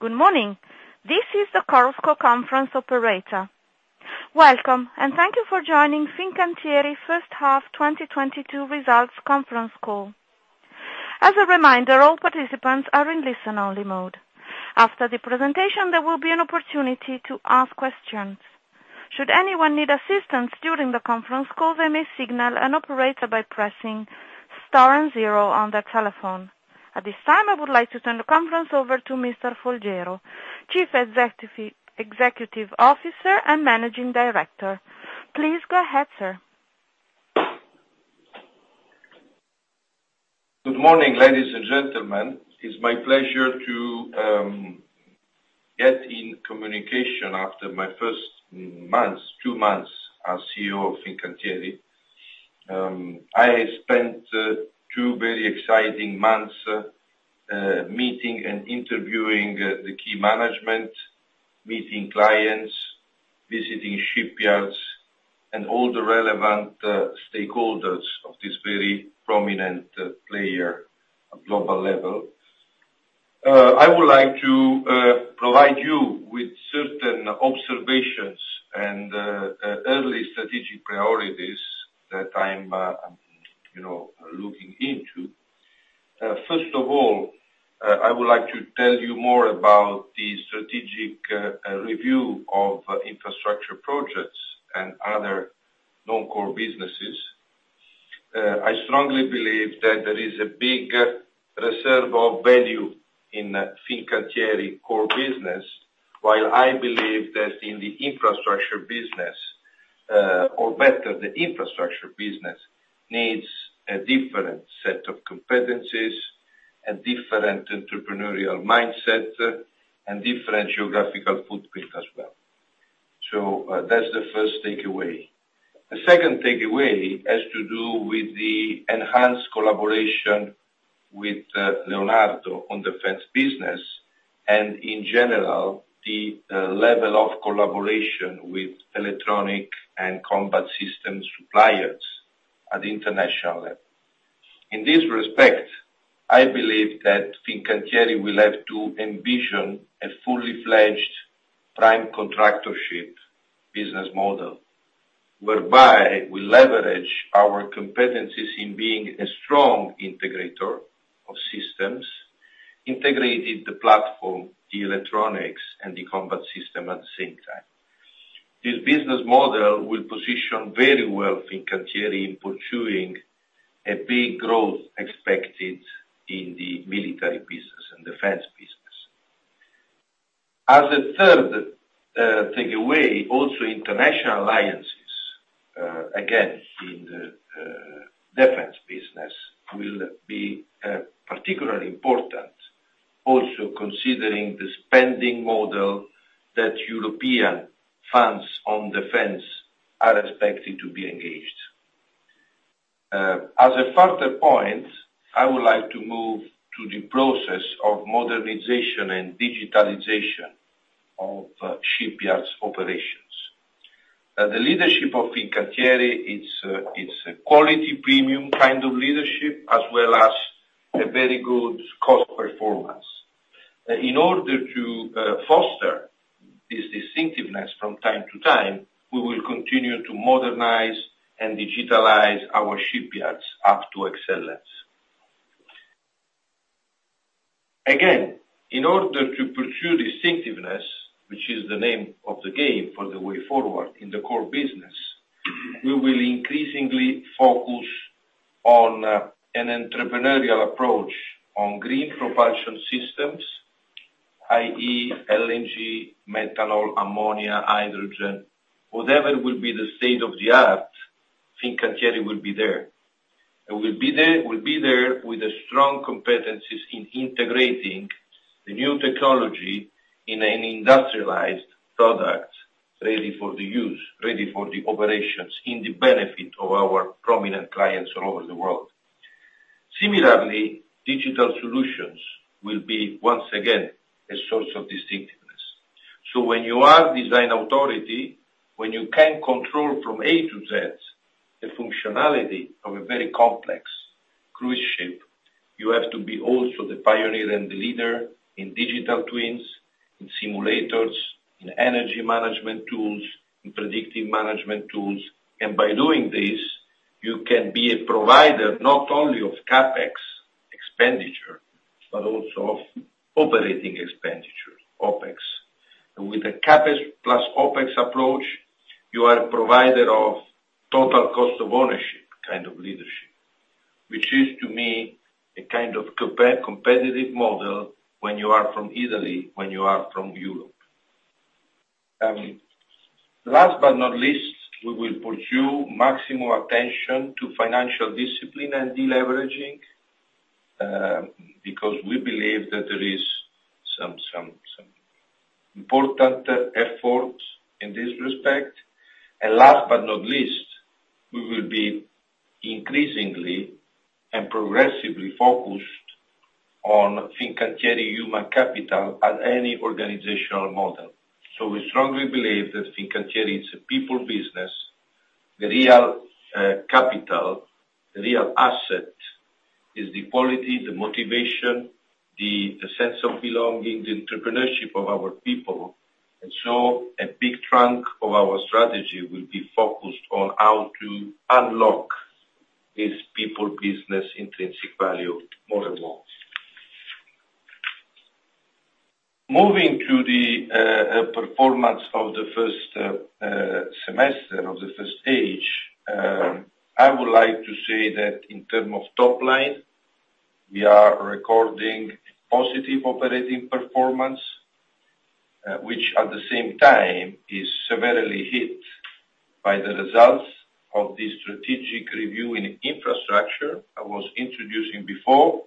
Good morning. This is the CallScope Call conference operator. Welcome, and thank you for joining Fincantieri First Half 2022 Results Conference Call. As a reminder, all participants are in listen-only mode. After the presentation, there will be an opportunity to ask questions. Should anyone need assistance during the conference call, they may signal an operator by pressing Star and zero on their telephone. At this time, I would like to turn the conference over to Mr. Folgiero, Chief Executive Officer and Managing Director. Please go ahead, sir. Good morning, ladies and gentlemen. It's my pleasure to get in communication after my first two months as CEO of Fincantieri. I spent two very exciting months meeting and interviewing the key management, meeting clients, visiting shipyards and all the relevant stakeholders of this very prominent player at global level. I would like to provide you with certain observations and early strategic priorities that I'm you know looking into. First of all, I would like to tell you more about the strategic review of infrastructure projects and other non-core businesses. I strongly believe that there is a big reserve of value in Fincantieri core business, while I believe that in the infrastructure business, or better, the infrastructure business needs a different set of competencies, a different entrepreneurial mindset, and different geographical footprint as well. That's the first takeaway. The second takeaway has to do with the enhanced collaboration with Leonardo on defense business, and in general, the level of collaboration with electronic and combat systems suppliers at international level. In this respect, I believe that Fincantieri will have to envision a fully fledged prime contractorship business model, whereby we leverage our competencies in being a strong integrator of systems, integrated the platform, the electronics, and the combat system at the same time. This business model will position very well Fincantieri in pursuing a big growth expected in the military business and defense business. As a third takeaway, also, international alliances, again, in the defense business will be particularly important, also considering the spending model that European funds on defense are expected to be engaged. As a further point, I would like to move to the process of modernization and digitalization of shipyards operations. The leadership of Fincantieri, it's a quality premium kind of leadership, as well as a very good cost performance. In order to foster this distinctiveness from time to time, we will continue to modernize and digitalize our shipyards up to excellence. Again, in order to pursue distinctiveness, which is the name of the game for the way forward in the core business, we will increasingly focus on an entrepreneurial approach on green propulsion systems, i.e., LNG, methanol, ammonia, hydrogen. Whatever will be the state of the art, Fincantieri will be there. We'll be there with a strong competencies in integrating the new technology in an industrialized product ready for the use, ready for the operations in the benefit of our prominent clients all over the world. Similarly, digital solutions will be, once again, a source of distinctiveness. When you are design authority, when you can control from A to Z the functionality of a very complex cruise ship, you have to be also the pioneer and the leader in digital twins, in simulators, in energy management tools, in predictive management tools. By doing this, you can be a provider not only of CapEx expenditure, but also of operating expenditure, OpEx. With a CapEx plus OpEx approach, you are a provider of total cost of ownership kind of leadership, which is to me a kind of competitive model when you are from Italy, when you are from Europe. Last but not least, we will pursue maximum attention to financial discipline and deleveraging, because we believe that there is some important efforts in this respect. Last but not least, we will be increasingly and progressively focused on Fincantieri human capital at any organizational model. We strongly believe that Fincantieri is a people business. The real capital, the real asset, is the quality, the motivation, the sense of belonging, the entrepreneurship of our people. A big chunk of our strategy will be focused on how to unlock these people business intrinsic value more and more. Moving to the performance of the first semester of the first stage, I would like to say that in terms of top line, we are recording positive operating performance, which at the same time is severely hit by the results of the strategic review in infrastructure I was introducing before.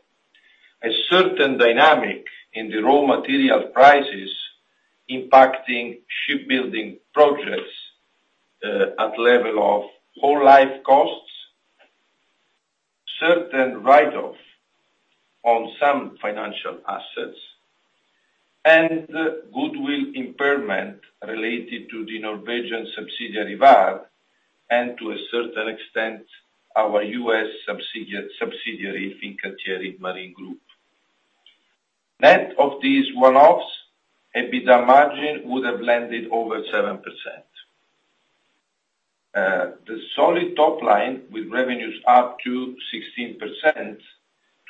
A certain dynamic in the raw material prices impacting shipbuilding projects at level of whole life costs, certain write-off on some financial assets, and goodwill impairment related to the Norwegian subsidiary, Vard, and to a certain extent, our U.S. subsidiary Fincantieri Marine Group. Net of these one-offs, EBITDA margin would have landed over 7%. The solid top line with revenues up 16%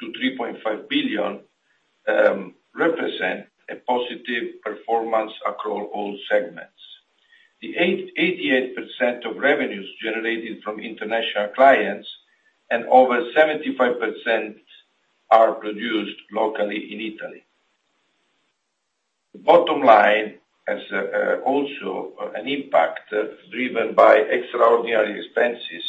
to 3.5 billion represent a positive performance across all segments. 88% of revenues generated from international clients and over 75% are produced locally in Italy. The bottom line has also an impact driven by extraordinary expenses,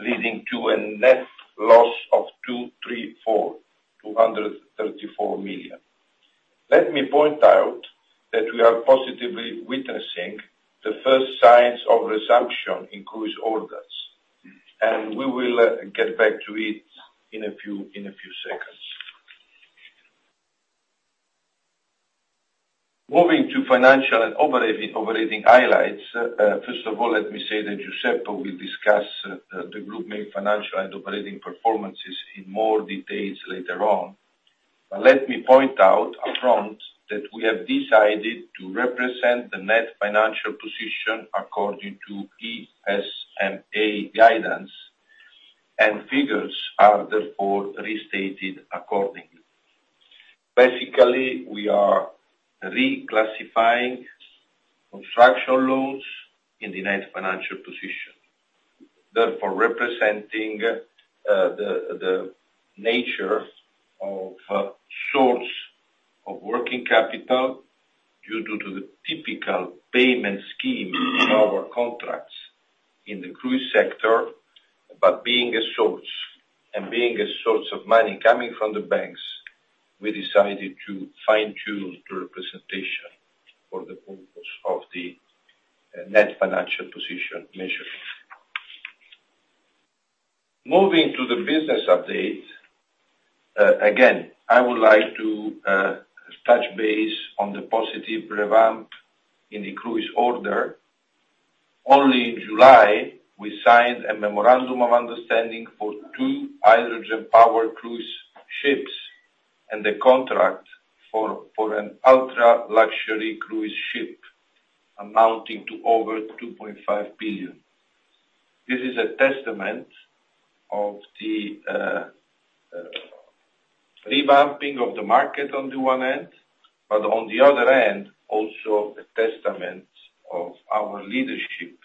leading to a net loss of 234 million. Let me point out that we are positively witnessing the first signs of resumption in cruise orders, and we will get back to it in a few seconds. Moving to financial and operating highlights. First of all, let me say that Giuseppe will discuss the group main financial and operating performances in more details later on. Let me point out up front that we have decided to represent the net financial position according to ESMA guidance, and figures are therefore restated accordingly. Basically, we are reclassifying construction loans in the net financial position, therefore representing the nature of source of working capital due to the typical payment scheme of our contracts in the cruise sector. Being a source of money coming from the banks, we decided to fine-tune the representation for the purpose of the net financial position measurement. Moving to the business update, again, I would like to touch base on the positive revamp in the cruise order. Only in July, we signed a memorandum of understanding for two hydrogen-powered cruise ships and a contract for an ultra-luxury cruise ship, amounting to over 2.5 billion. This is a testament of the revamping of the market on the one end, but on the other end, also a testament of our leadership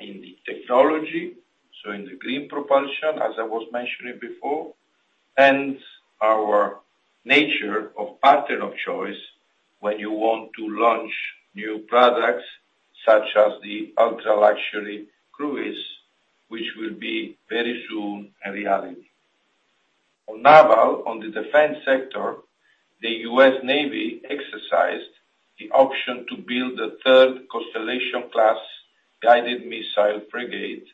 in the technology, so in the green propulsion, as I was mentioning before, and our nature of partner of choice when you want to launch new products, such as the ultra-luxury cruise, which will be very soon a reality. On naval, on the defense sector, the U.S. Navy exercised the option to build a third Constellation-class guided-missile frigate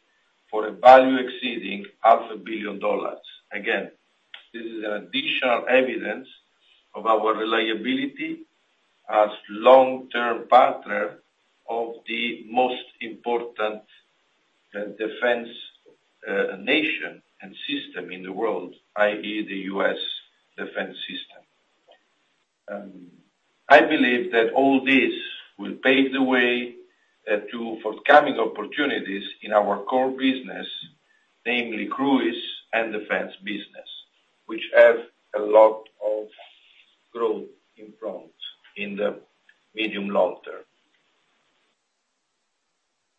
for a value exceeding half a billion dollars. Again, this is an additional evidence of our reliability as long-term partner of the most important defense nation and system in the world, i.e., the U.S. defense system. I believe that all this will pave the way to forthcoming opportunities in our core business, namely cruise and defense business, which have a lot of growth in front in the medium long term.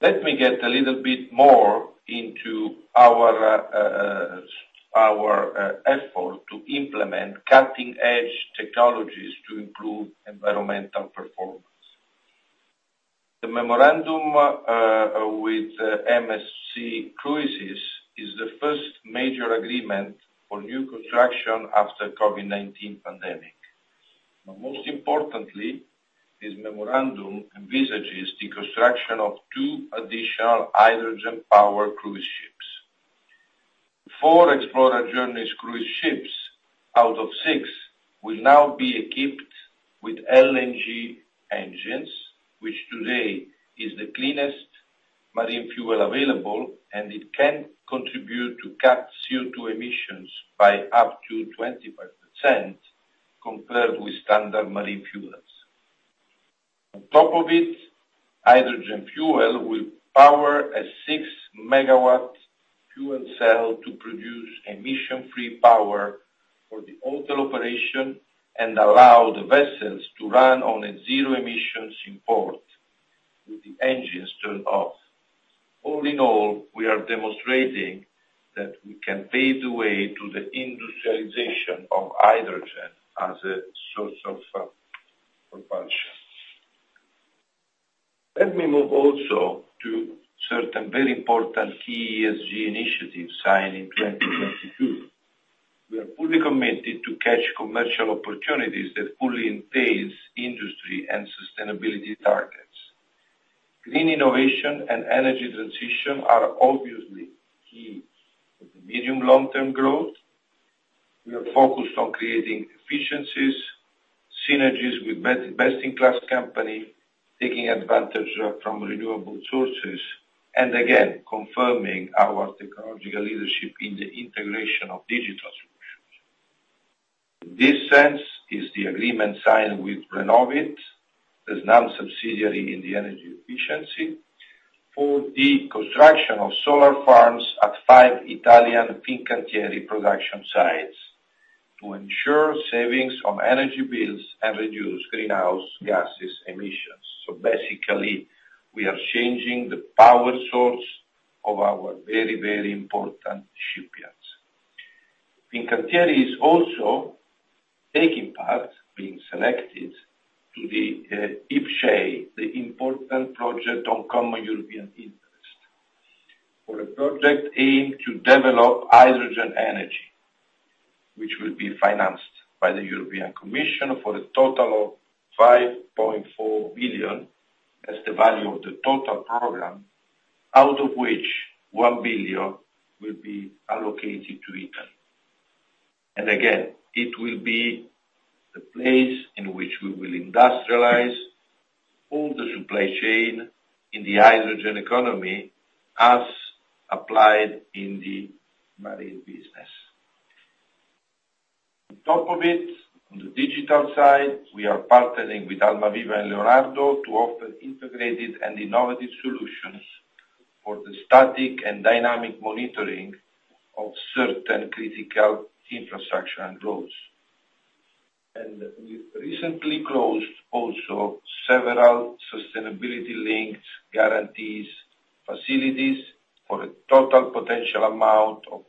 Let me get a little bit more into our effort to implement cutting-edge technologies to improve environmental performance. The memorandum with MSC Cruises is the first major agreement for new construction after COVID-19 pandemic. Most importantly, this memorandum envisages the construction of two additional hydrogen-powered cruise ships. Four Explora Journeys cruise ships out of six will now be equipped with LNG engines, which today is the cleanest marine fuel available, and it can contribute to cut CO₂ emissions by up to 25% compared with standard marine fuels. On top of it, hydrogen fuel will power a 6MW fuel cell to produce emission-free power for the hotel operation and allow the vessels to run on a zero emissions in port with the engines turned off. All in all, we are demonstrating that we can pave the way to the industrialization of hydrogen as a source of propulsion. Let me move also to certain very important key ESG initiatives signed in 2022. We are fully committed to catch commercial opportunities that fully entails industry and sustainability targets. Green innovation and energy transition are obviously key for the medium long-term growth. We are focused on creating efficiencies, synergies with best-in-class companies, taking advantage from renewable sources, and again, confirming our technological leadership in the integration of digital solutions. In this sense is the agreement signed with Renovit, Fincantieri's subsidiary in the energy efficiency, for the construction of solar farms at five Italian Fincantieri production sites to ensure savings on energy bills and reduce greenhouse gases emissions. Basically, we are changing the power source of our very, very important shipyards. Fincantieri is also taking part, being selected to the IPCEI, the Important Project of Common European Interest, for a project aimed to develop hydrogen energy, which will be financed by the European Commission for a total of 5.4 billion, that's the value of the total program, out of which 1 billion will be allocated to Italy. Again, it will be the place in which we will industrialize all the supply chain in the hydrogen economy as applied in the marine business. On top of it, on the digital side, we are partnering with Almaviva and Leonardo to offer integrated and innovative solutions for the static and dynamic monitoring of certain critical infrastructure and routes. We've recently closed also several sustainability-linked guarantees, facilities for a total potential amount of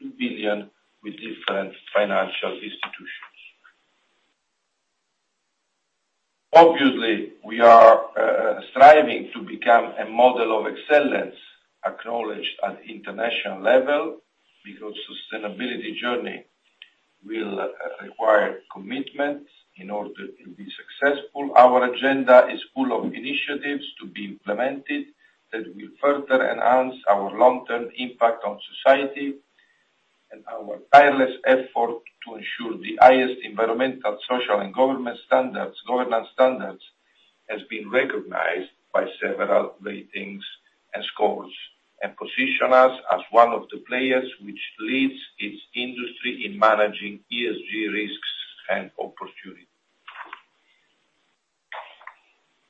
2 billion with different financial institutions. Obviously, we are striving to become a model of excellence acknowledged at international level because sustainability journey will require commitment in order to be successful. Our agenda is full of initiatives to be implemented that will further enhance our long-term impact on society and our tireless effort to ensure the highest environmental, social, and government standards, governance standards, has been recognized by several ratings and scores, and position us as one of the players which leads its industry in managing ESG risks and opportunities.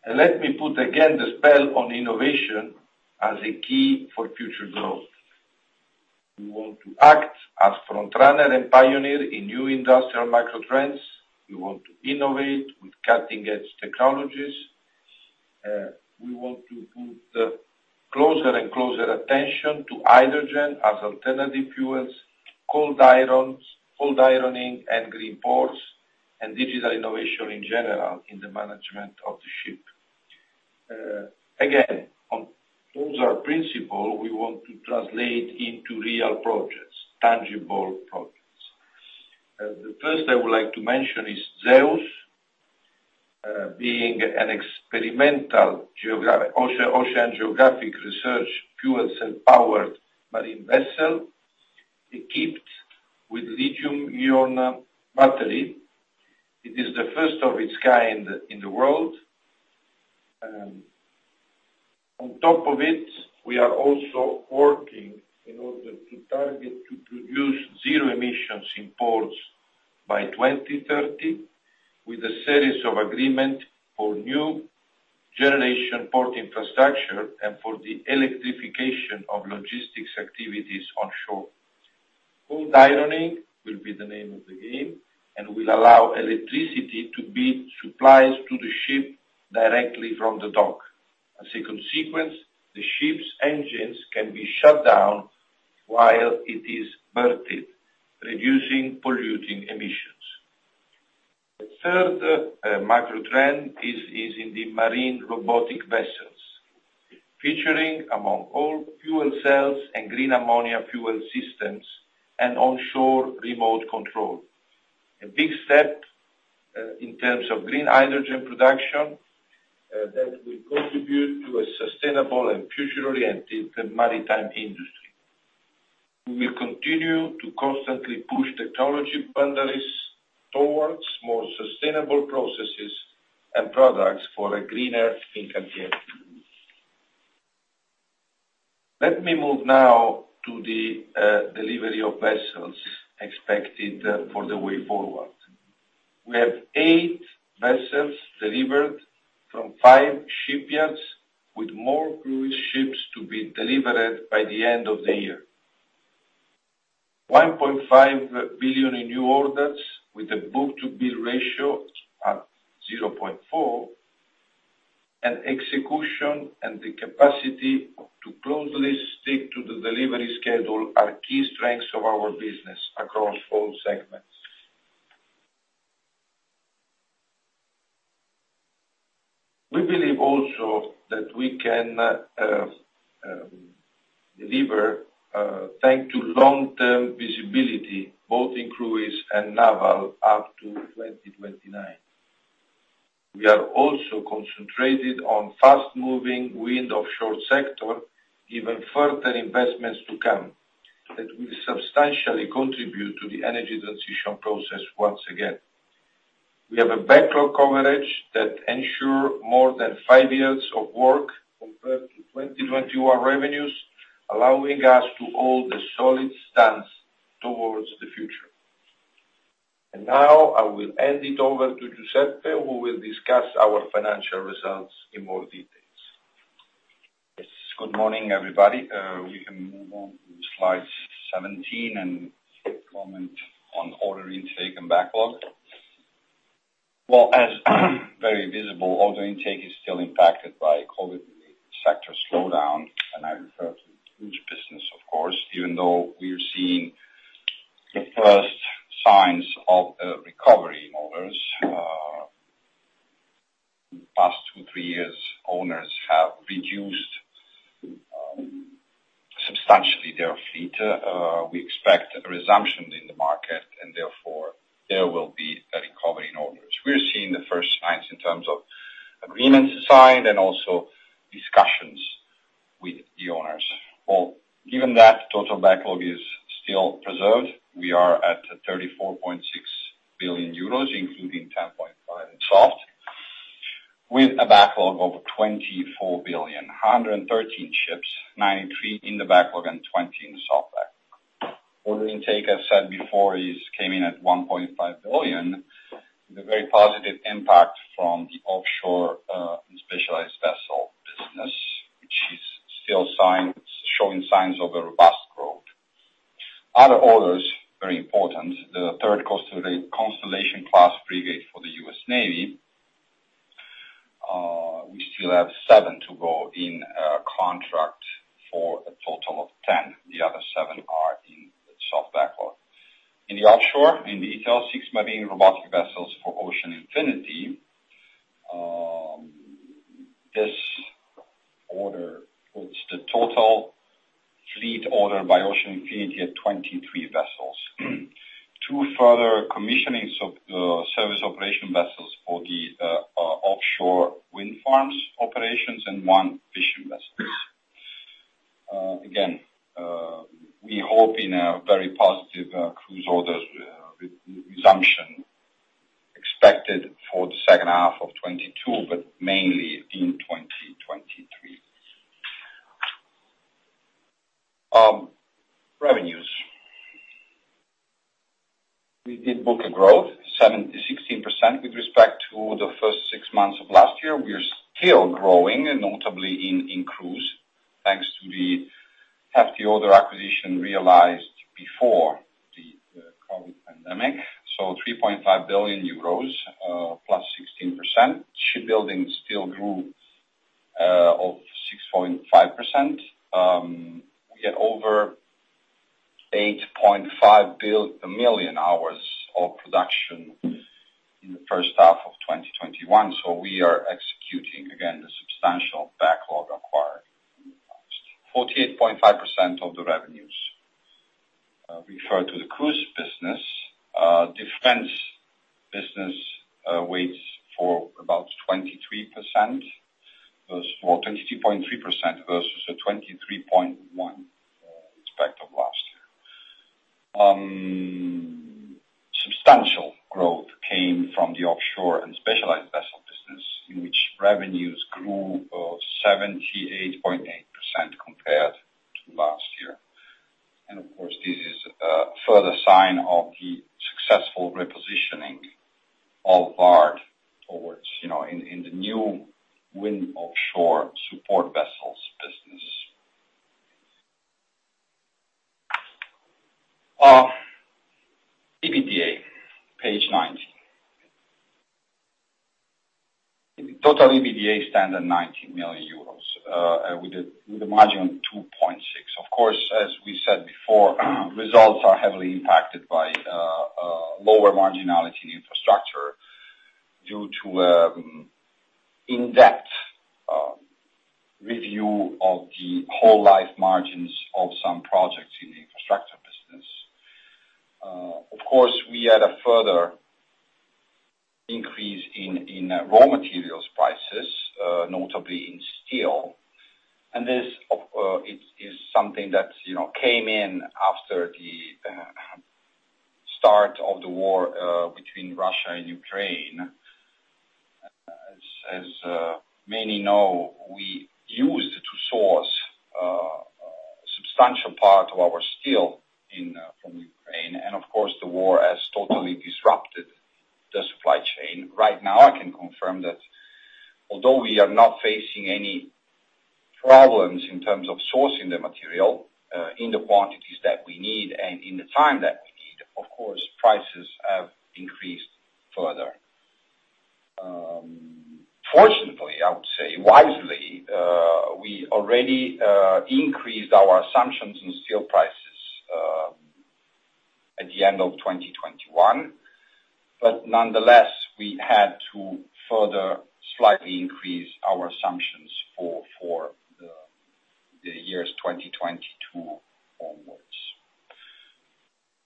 Let me put again the spell on innovation as a key for future growth. We want to act as frontrunner and pioneer in new industrial macro trends. We want to innovate with cutting-edge technologies. We want to put closer and closer attention to hydrogen as alternative fuels, cold ironing and green ports, and digital innovation in general in the management of the ship. Those are principles we want to translate into real projects, tangible projects. The first I would like to mention is ZEUS, being an experimental oceanographic research fuel cell-powered marine vessel equipped with lithium-ion battery. It is the first of its kind in the world. On top of it, we are also working in order to target to produce zero emissions in ports by 2030 with a series of agreement for new generation port infrastructure and for the electrification of logistics activities on shore. Cold ironing will be the name of the game and will allow electricity to be supplied to the ship directly from the dock. As a consequence, the ship's engines can be shut down while it is berthed, reducing polluting emissions. The third macro trend is in the marine robotic vessels, featuring among all fuel cells and green ammonia fuel systems and onshore remote control. A big step in terms of green hydrogen production that will contribute to a sustainable and future-oriented maritime industry. We continue to constantly push technology boundaries towards more sustainable processes and products for a greener future. Let me move now to the delivery of vessels expected for the way forward. We have eight vessels delivered from five shipyards, with more cruise ships to be delivered by the end of the year. 1.5 billion in new orders, with the book-to-bill ratio at 0.4, and execution and the capacity to closely stick to the delivery schedule are key strengths of our business across all segments. We believe also that we can deliver, thanks to long-term visibility, both in cruise and naval, up to 2029. We are also concentrated on fast-moving offshore wind sector, given further investments to come, that will substantially contribute to the energy transition process once again. We have a backlog coverage that ensure more than five years of work compared to 2021 revenues, allowing us to hold a solid stance towards the future. Now, I will hand it over to Giuseppe, who will discuss our financial results in more details. Yes. Good morning, everybody. We can move on to slide 17 and comment on order intake and backlog. Well, as is very visible, order intake is still impacted by COVID-related sector slowdown, and I refer to cruise business of course, even though we are seeing the first signs of a recovery in orders. The past two, three years, owners have reduced substantially their fleet. We expect a resumption in the market and therefore there will be a recovery in orders. We are seeing the first signs in terms of agreements signed and also discussions with the owners. Well, given that total backlog is still preserved, we are at 34.6 billion euros, including 10.5 billion in soft, with a backlog of 24 billion, 113 ships, 93 in the backlog and 20 in soft backlog. Order intake, as said before, is came in at 1.5 billion. The very positive impact from the offshore and specialized vessel business, which is still showing signs of a robust growth. Other orders, very important. The third Constellation-class frigate for the U.S. Navy. We still have seven to go in a contract for a total of 10. The other seven are in soft backlog. In the offshore, in detail, six marine robotic vessels for Ocean Infinity. This order puts the total fleet order by Ocean Infinity at 23 vessels. Two further commissioning sub service operation vessels for the offshore wind farms operations and one fishing vessels. Again, we hope in a very positive cruise orders resumption expected for the second half of 2022, but mainly in 2023. Revenues. We did book a growth, 7%-16% with respect to the first six months of last year. We are still growing, and notably in cruise, thanks to the hefty order acquisition realized in the quantities that we need and in the time that we need, of course, prices have increased further. Fortunately, I would say wisely, we already increased our assumptions in steel prices at the end of 2021. Nonetheless, we had to further slightly increase our assumptions for the years 2022 onwards.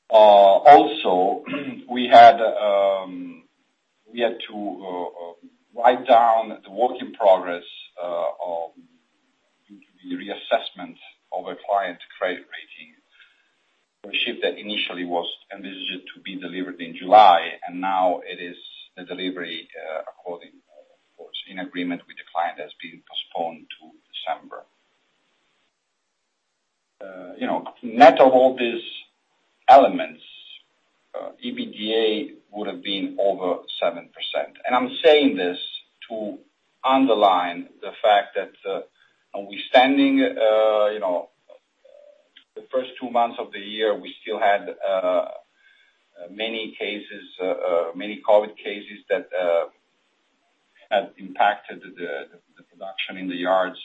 Also, we had to write down the work in progress of the reassessment of a client credit rating for a ship that initially was envisaged to be delivered in July, and now it is the delivery according, of course, in agreement with the client has been postponed to December. You know, net of all these elements, EBITDA would have been over 7%. I'm saying this to underline the fact that, you know, the first two months of the year, we still had many COVID cases that had impacted the production in the yards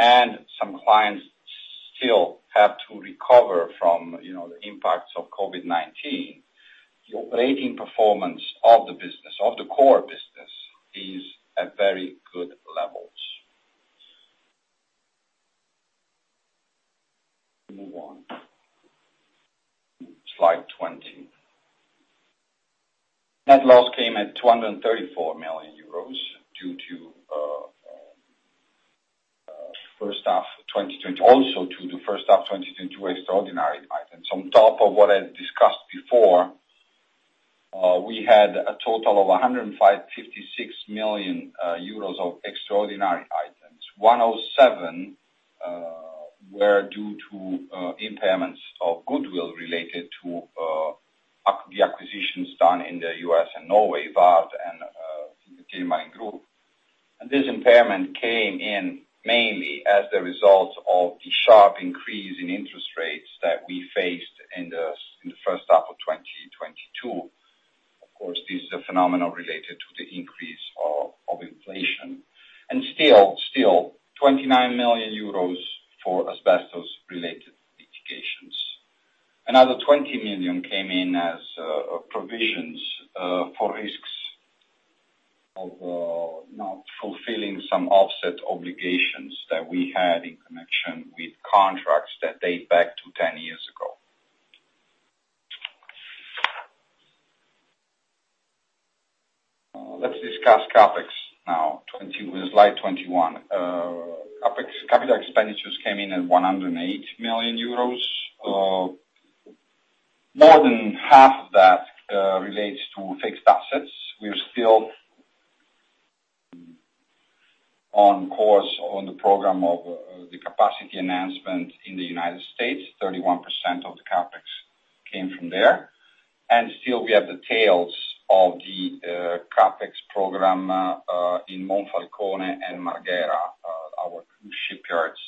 and the start of the war in Ukraine. Some clients still have to recover from, you know, the impacts of COVID-19. The operating performance of the business, of the core business is at very good levels. Move on. Slide 20. Net loss came at 234 million euros due to the first half of 2020, also to the first half of 2022 extraordinary items. On top of what I discussed before, we had a total of 156 million euros of extraordinary items. 107 were due to impairments of goodwill related to the acquisitions done in the US and Norway, Vard and the Fincantieri Marine Group. This impairment came in mainly as the result of the sharp increase in interest rates that we faced in the first half of 2022. Of course, this is a phenomenon related to the increase of inflation. Still, 29 million euros for asbestos-related litigations. Another 20 million came in as provisions for risks of not fulfilling some offset obligations that we had in connection with contracts that date back to 10 years ago. Let's discuss CapEx now. With slide 21. CapEx, capital expenditures came in at 108 million euros. More than half of that relates to fixed assets. We are still on course on the program of the capacity enhancement in the United States. 31% of the CapEx came from there. Still we have the tails of the CapEx program in Monfalcone and Marghera, our two shipyards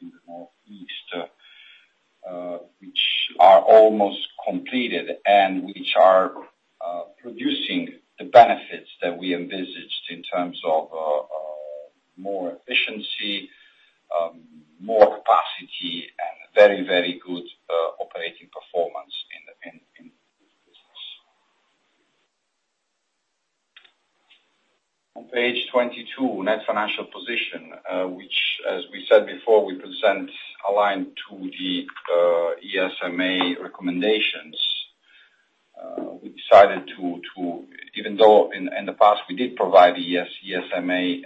in the Northeast, which are almost completed and which are producing the benefits that we envisaged in terms of more efficiency, more capacity and very, very good operating performance in this business. On page 22, net financial position, which as we said before, we present aligned to the ESMA recommendations. We decided to even though in the past we did provide the ESMA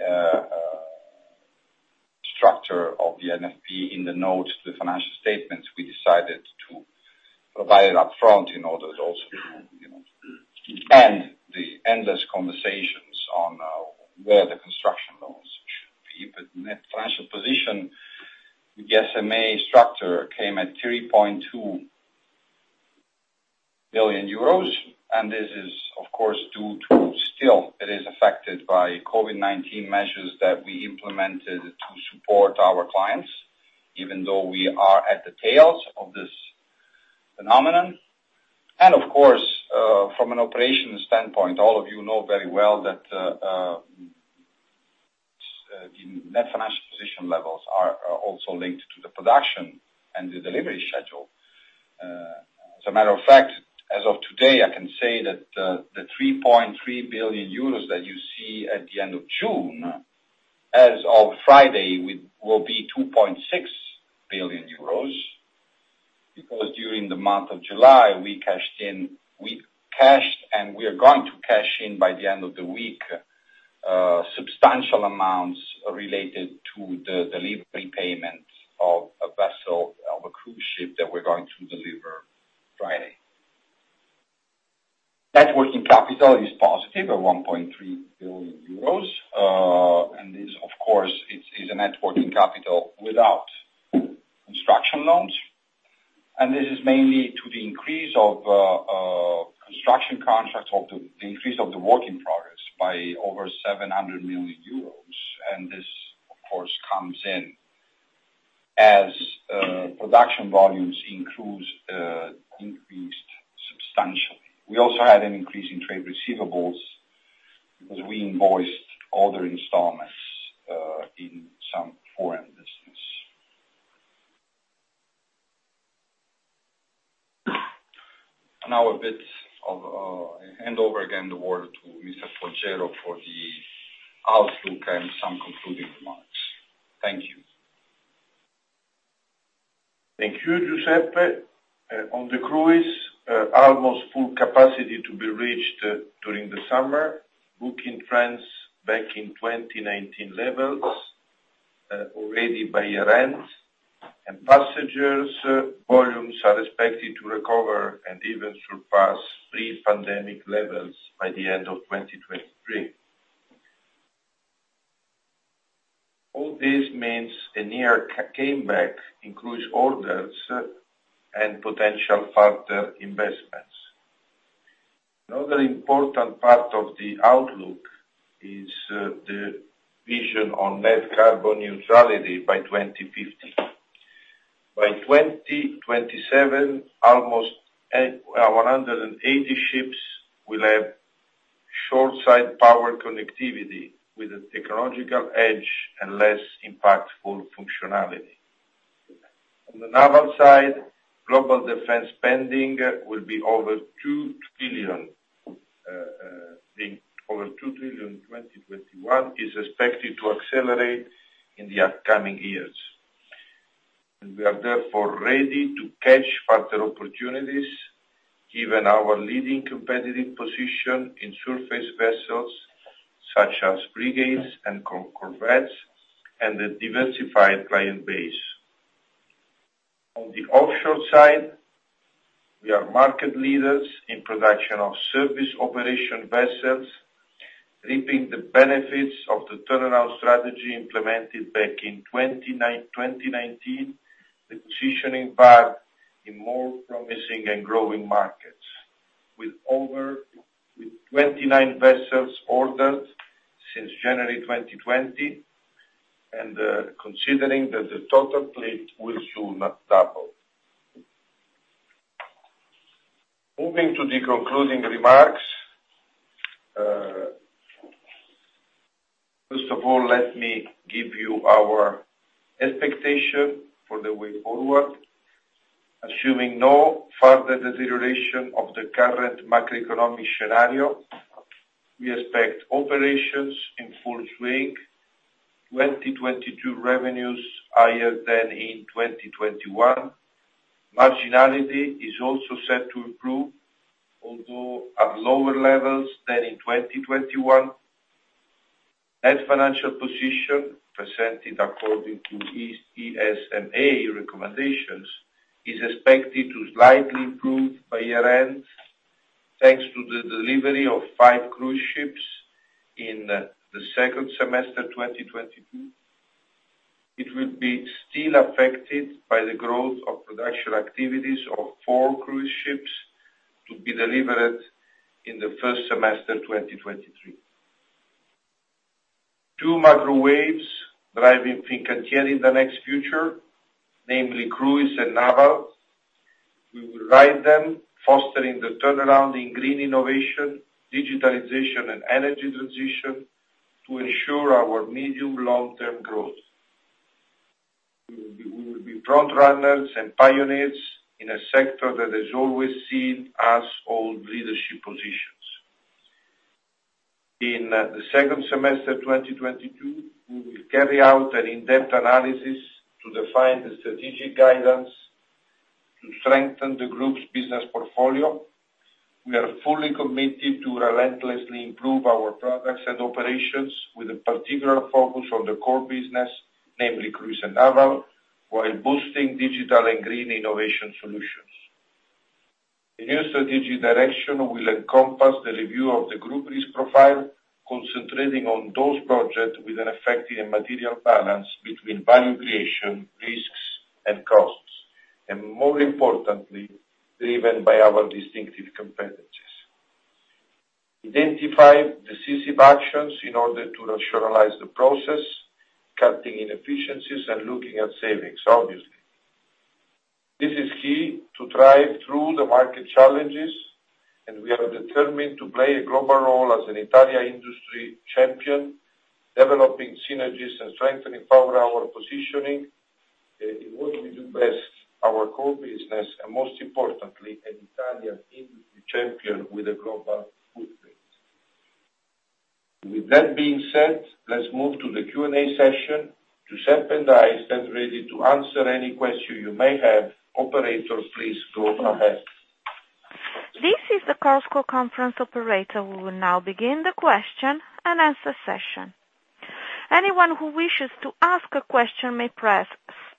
structure of the NFP in the notes, the financial statements, we decided to provide it upfront in order also to, you know, end the endless conversations on where the construction loans should be. Net financial position, the ESMA structure came at 3.2 billion euros, and this is of course due to still it is affected by COVID-19 measures that we implemented to support our clients, even though we are at the tails of this phenomenon. From an operations standpoint, all of you know very well that the net financial position levels are also linked to the production and the delivery schedule. As a matter of fact, as of today, I can say that the 3.3 billion euros that you see at the end of June, as of Friday, will be 2.6 billion euros. Because during the month of July, we cashed and we are going to cash in by the end of the week substantial amounts related to the delivery payment of a vessel, of a cruise ship that we're going to deliver Friday. Net working capital is positive at 1.3 billion euros. This, of course, it's a net working capital without construction loans. This is mainly due to the increase of construction contracts or the increase of the work in progress by over 700 million euros. This of course comes in as production volumes increased substantially. We also had an increase in trade receivables because we invoiced other installments in some foreign business. Now I hand over again the word to Mr. Folgiero for the outlook and some concluding remarks. Thank you. Thank you, Giuseppe. On the cruise, almost full capacity to be reached during the summer. Booking trends back in 2019 levels, already by year-end. Passenger volumes are expected to recover and even surpass pre-pandemic levels by the end of 2023. All this means a near comeback in cruise orders and potential further investments. Another important part of the outlook is, the vision on net carbon neutrality by 2050. By 2027, almost, 180 ships will have shoreside power connectivity with a technological edge and less impactful functionality. On the naval side, global defense spending will be over $2 trillion. The over $2 trillion in 2021 is expected to accelerate in the upcoming years. We are therefore ready to catch further opportunities given our leading competitive position in surface vessels such as frigates and corvettes and a diversified client base. On the offshore side, we are market leaders in production of Service Operation Vessels, reaping the benefits of the turnaround strategy implemented back in 2019, with positioning Vard in more promising and growing markets, with 29 vessels ordered since January 2020, and considering that the total fleet will soon double. Moving to the concluding remarks. First of all, let me give you our expectation for the way forward. Assuming no further deterioration of the current macroeconomic scenario, we expect operations in full swing, 2022 revenues higher than in 2021. Marginality is also set to improve, although at lower levels than in 2021. Net financial position, presented according to ESMA recommendations, is expected to slightly improve by year-end, thanks to the delivery of five cruise ships in the second semester, 2022. It will be still affected by the growth of production activities of four cruise ships to be delivered in the first semester, 2023. Two macro waves driving Fincantieri in the next future, namely cruise and naval. We will ride them, fostering the turnaround in green innovation, digitalization and energy transition to ensure our medium long-term growth. We will be frontrunners and pioneers in a sector that has always seen us hold leadership positions. In the second semester, 2022, we will carry out an in-depth analysis to define the strategic guidance to strengthen the group's business portfolio. We are fully committed to relentlessly improve our products and operations with a particular focus on the core business, namely cruise and naval, while boosting digital and green innovation solutions. The new strategic direction will encompass the review of the group risk profile, concentrating on those projects with an effective and material balance between value creation, risks and costs. More importantly, driven by our distinctive competencies. Identify decisive actions in order to rationalize the process, cutting inefficiencies and looking at savings, obviously. This is key to drive through the market challenges. We are determined to play a global role as an Italian industry champion, developing synergies and strengthening further our positioning, in what we do best, our core business, and most importantly, an Italian industry champion with a global footprint. With that being said, let's move to the Q&A session. Giuseppe and I stand ready to answer any question you may have. Operator, please go ahead. This is the CallScope conference operator. We will now begin the question and answer session. Anyone who wishes to ask a question may press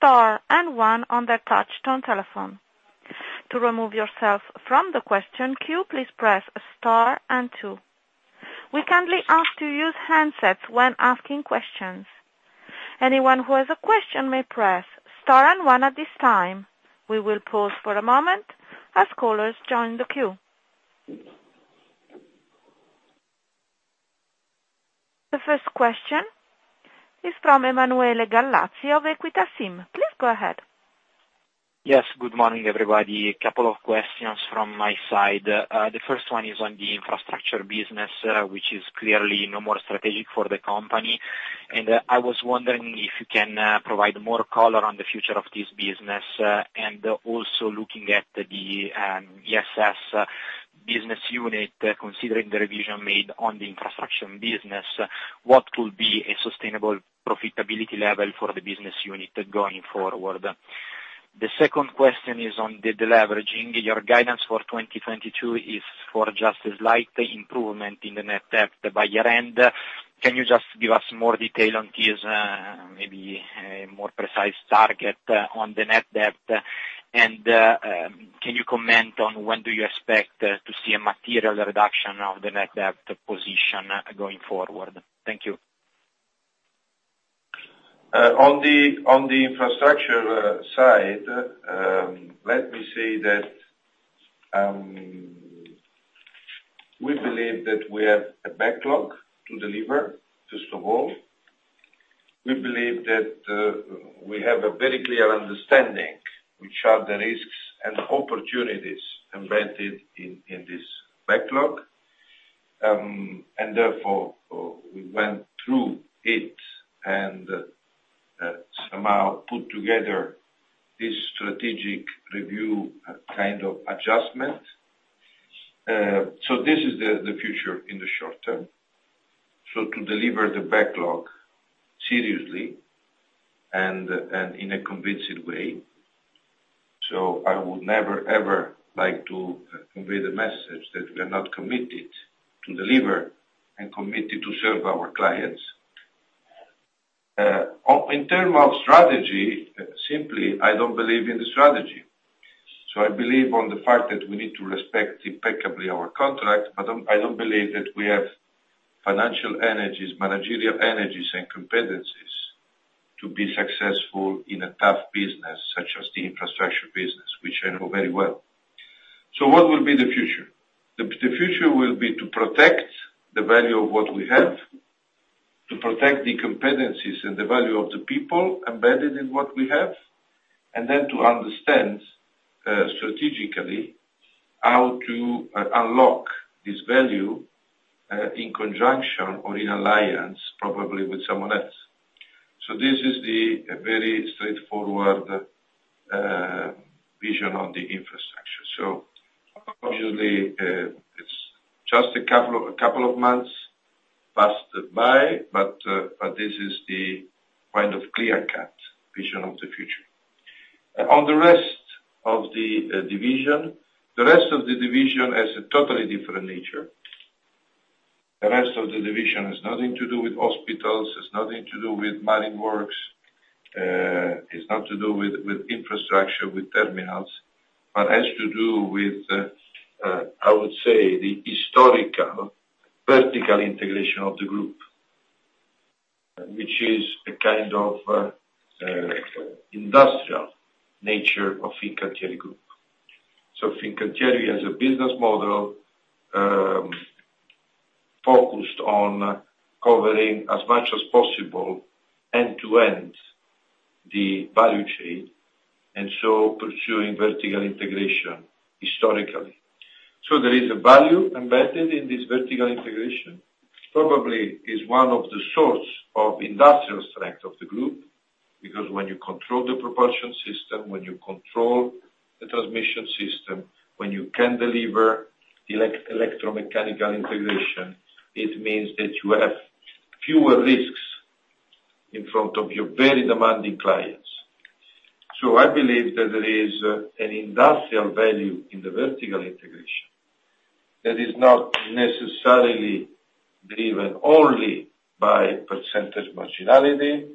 star and one on their touchtone telephone. To remove yourself from the question queue, please press star and two. We kindly ask to use handsets when asking questions. Anyone who has a question may press star and one at this time. We will pause for a moment as callers join the queue. The first question is from Emanuele Gallazzi of Equita SIM. Please go ahead. Yes, good morning, everybody. A couple of questions from my side. The first one is on the infrastructure business, which is clearly no more strategic for the company. I was wondering if you can provide more color on the future of this business. Also looking at the ESS business unit, considering the revision made on the infrastructure business, what will be a sustainable profitability level for the business unit going forward? The second question is on the deleveraging. Your guidance for 2022 is for just a slight improvement in the net debt by year-end. Can you just give us more detail on this, maybe a more precise target on the net debt? Can you comment on when do you expect to see a material reduction of the net debt position going forward? Thank you. On the infrastructure side, let me say that we believe that we have a backlog to deliver, first of all. We believe that we have a very clear understanding which are the risks and opportunities embedded in this backlog. Therefore, we went through it and somehow put together this strategic review kind of adjustment. This is the future in the short term. To deliver the backlog seriously and in a convincing way, I would never, ever like to convey the message that we are not committed to deliver and committed to serve our clients. In terms of strategy, simply, I don't believe in the strategy. I believe on the fact that we need to respect impeccably our contract, but I don't believe that we have financial energies, managerial energies, and competencies to be successful in a tough business such as the infrastructure business, which I know very well. What will be the future? The future will be to protect the value of what we have, to protect the competencies and the value of the people embedded in what we have, and then to understand strategically how to unlock this value in conjunction or in alliance probably with someone else. This is the very straightforward vision on the infrastructure. Obviously, it's just a couple of months passed by, but this is the kind of clear-cut vision of the future. The rest of the division has a totally different nature. The rest of the division has nothing to do with hospitals, has nothing to do with mining works, it's not to do with infrastructure, with terminals, but has to do with, I would say, the historical vertical integration of the group, which is a kind of industrial nature of Fincantieri group. Fincantieri has a business model, focused on covering as much as possible end-to-end the value chain, and so pursuing vertical integration historically. There is a value embedded in this vertical integration. Probably is one of the source of industrial strength of the group, because when you control the propulsion system, when you control the transmission system, when you can deliver electromechanical integration, it means that you have fewer risks in front of your very demanding clients. I believe that there is an industrial value in the vertical integration that is not necessarily driven only by percentage marginality,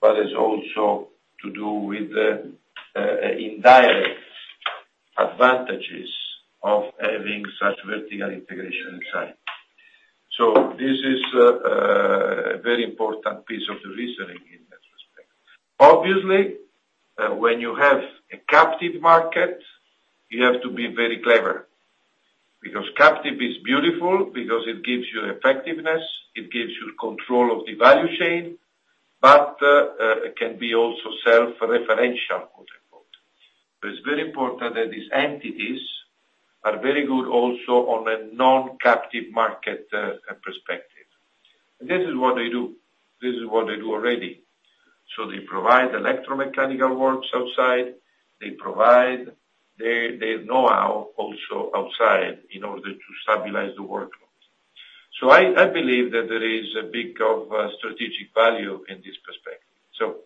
but it's also to do with the indirect advantages of having such vertical integration inside. This is a very important piece of the reasoning in that respect. Obviously, when you have a captive market, you have to be very clever, because captive is beautiful, because it gives you effectiveness, it gives you control of the value chain. It can be also self-referential, quote-unquote. It's very important that these entities are very good also on a non-captive market perspective. This is what they do already. They provide electromechanical works outside, they provide the know-how also outside in order to stabilize the workloads. I believe that there is a bit of strategic value in this perspective.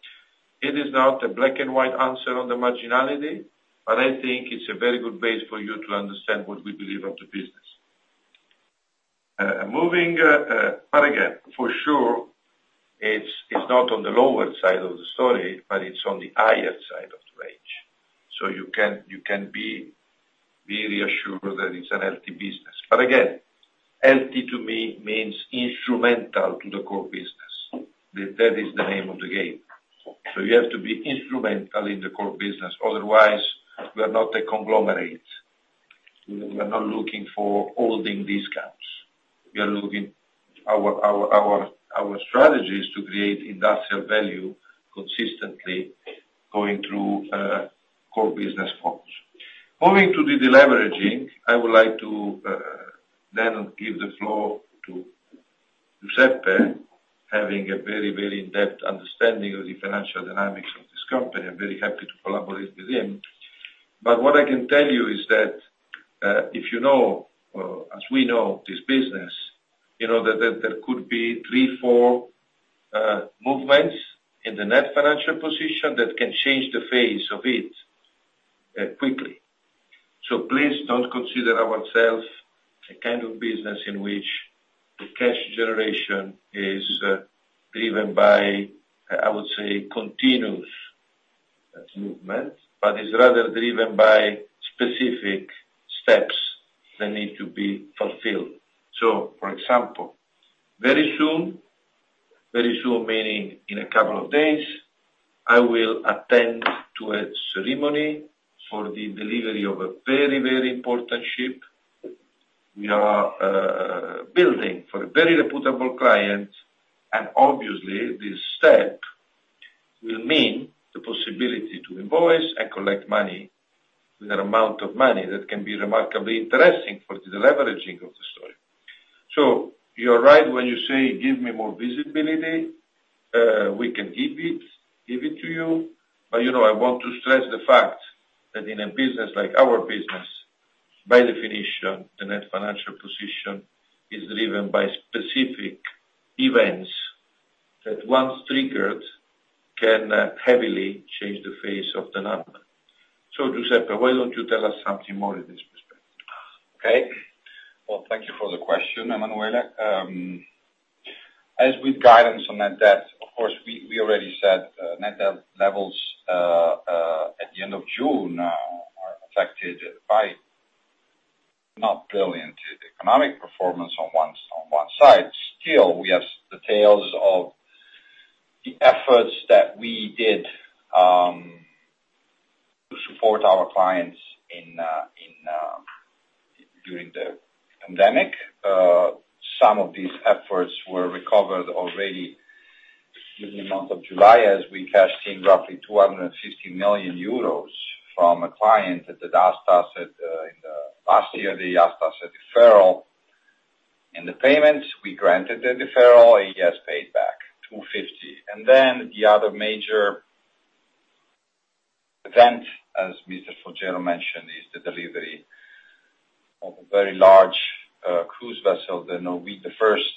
It is not a black and white answer on the marginality, but I think it's a very good base for you to understand what we believe of the business. Again, for sure, it's not on the lower side of the story, but it's on the higher side of the range. You can be reassured that it's a healthy business. Again, healthy to me means instrumental to the core business. That is the name of the game. You have to be instrumental in the core business, otherwise we're not a conglomerate. We are not looking for holding these caps. We are looking. Our strategy is to create industrial value consistently going through core business focus. Moving to the deleveraging, I would like to then give the floor to Giuseppe, having a very, very in-depth understanding of the financial dynamics of this company. I'm very happy to collaborate with him. What I can tell you is that, if you know, as we know this business, you know that there could be three, four movements in the net financial position that can change the phase of it quickly. Please don't consider ourselves a kind of business in which the cash generation is driven by, I would say continuous movement, but it's rather driven by specific steps that need to be fulfilled. For example, very soon, meaning in a couple of days, I will attend to a ceremony for the delivery of a very important ship we are building for a very reputable client. Obviously, this step will mean the possibility to invoice and collect money with an amount of money that can be remarkably interesting for the deleveraging of the story. You're right when you say give me more visibility, we can give it to you. You know, I want to stress the fact that in a business like our business, by definition, the net financial position is driven by specific events that once triggered can heavily change the face of the number. Giuseppe, why don't you tell us something more in this respect? Okay. Well, thank you for the question, Emanuele. As with guidance on net debt, of course, we already said net debt levels at the end of June are affected by not brilliant economic performance on one side. Still, we have the tails of the efforts that we did to support our clients during the pandemic. Some of these efforts were recovered already in the month of July as we cashed in roughly 250 million euros from a client that had asked us in the last year a deferral in the payment. We granted the deferral, he has paid back 250 million. Then the other major event, as Mr. Folgiero mentioned is the delivery of a very large cruise vessel, the first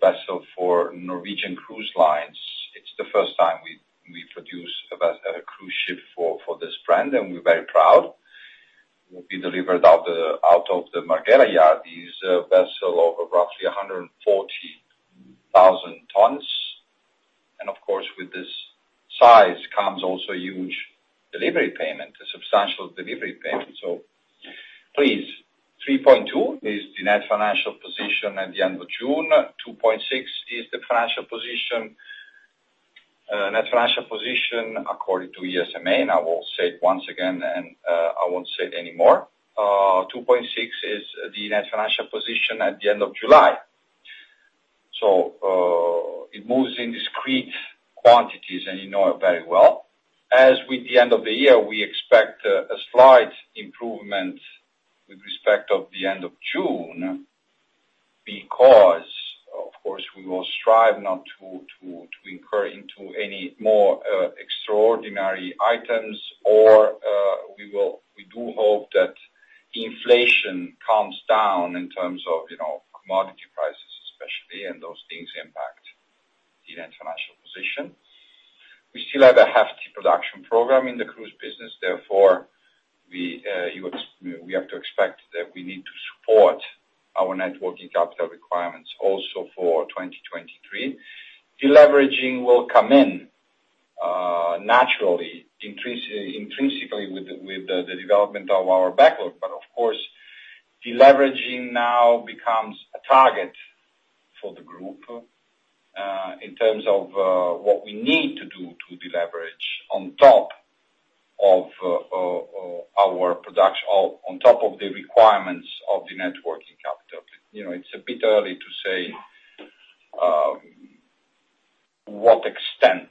vessel for Norwegian Cruise Line. It's the first time we produce a cruise ship for this brand, and we're very proud. It will be delivered out of the Marghera yard. It's a vessel of roughly 140,000 tons. Of course, with this size comes also huge delivery payment, a substantial delivery payment. Please, 3.2 is the net financial position at the end of June. 2.6 is the financial position, net financial position according to ESMA. I will say it once again, and I won't say it anymore. 2.6 is the net financial position at the end of July. It moves in discrete quantities, and you know it very well. As with the end of the year, we expect a slight improvement with respect to the end of June because, of course, we will strive not to incur into any more extraordinary items or we do hope that inflation calms down in terms of, you know, commodity prices especially, and those things impact the net financial position. We still have a hefty production program in the cruise business, therefore we have to expect that we need to support our net working capital requirements also for 2023. Deleveraging will come in naturally intrinsically with the development of our backlog. Of course, deleveraging now becomes a target for the group in terms of what we need to do to deleverage on top of our production on top of the requirements of the net working capital. You know, it's a bit early to say what extent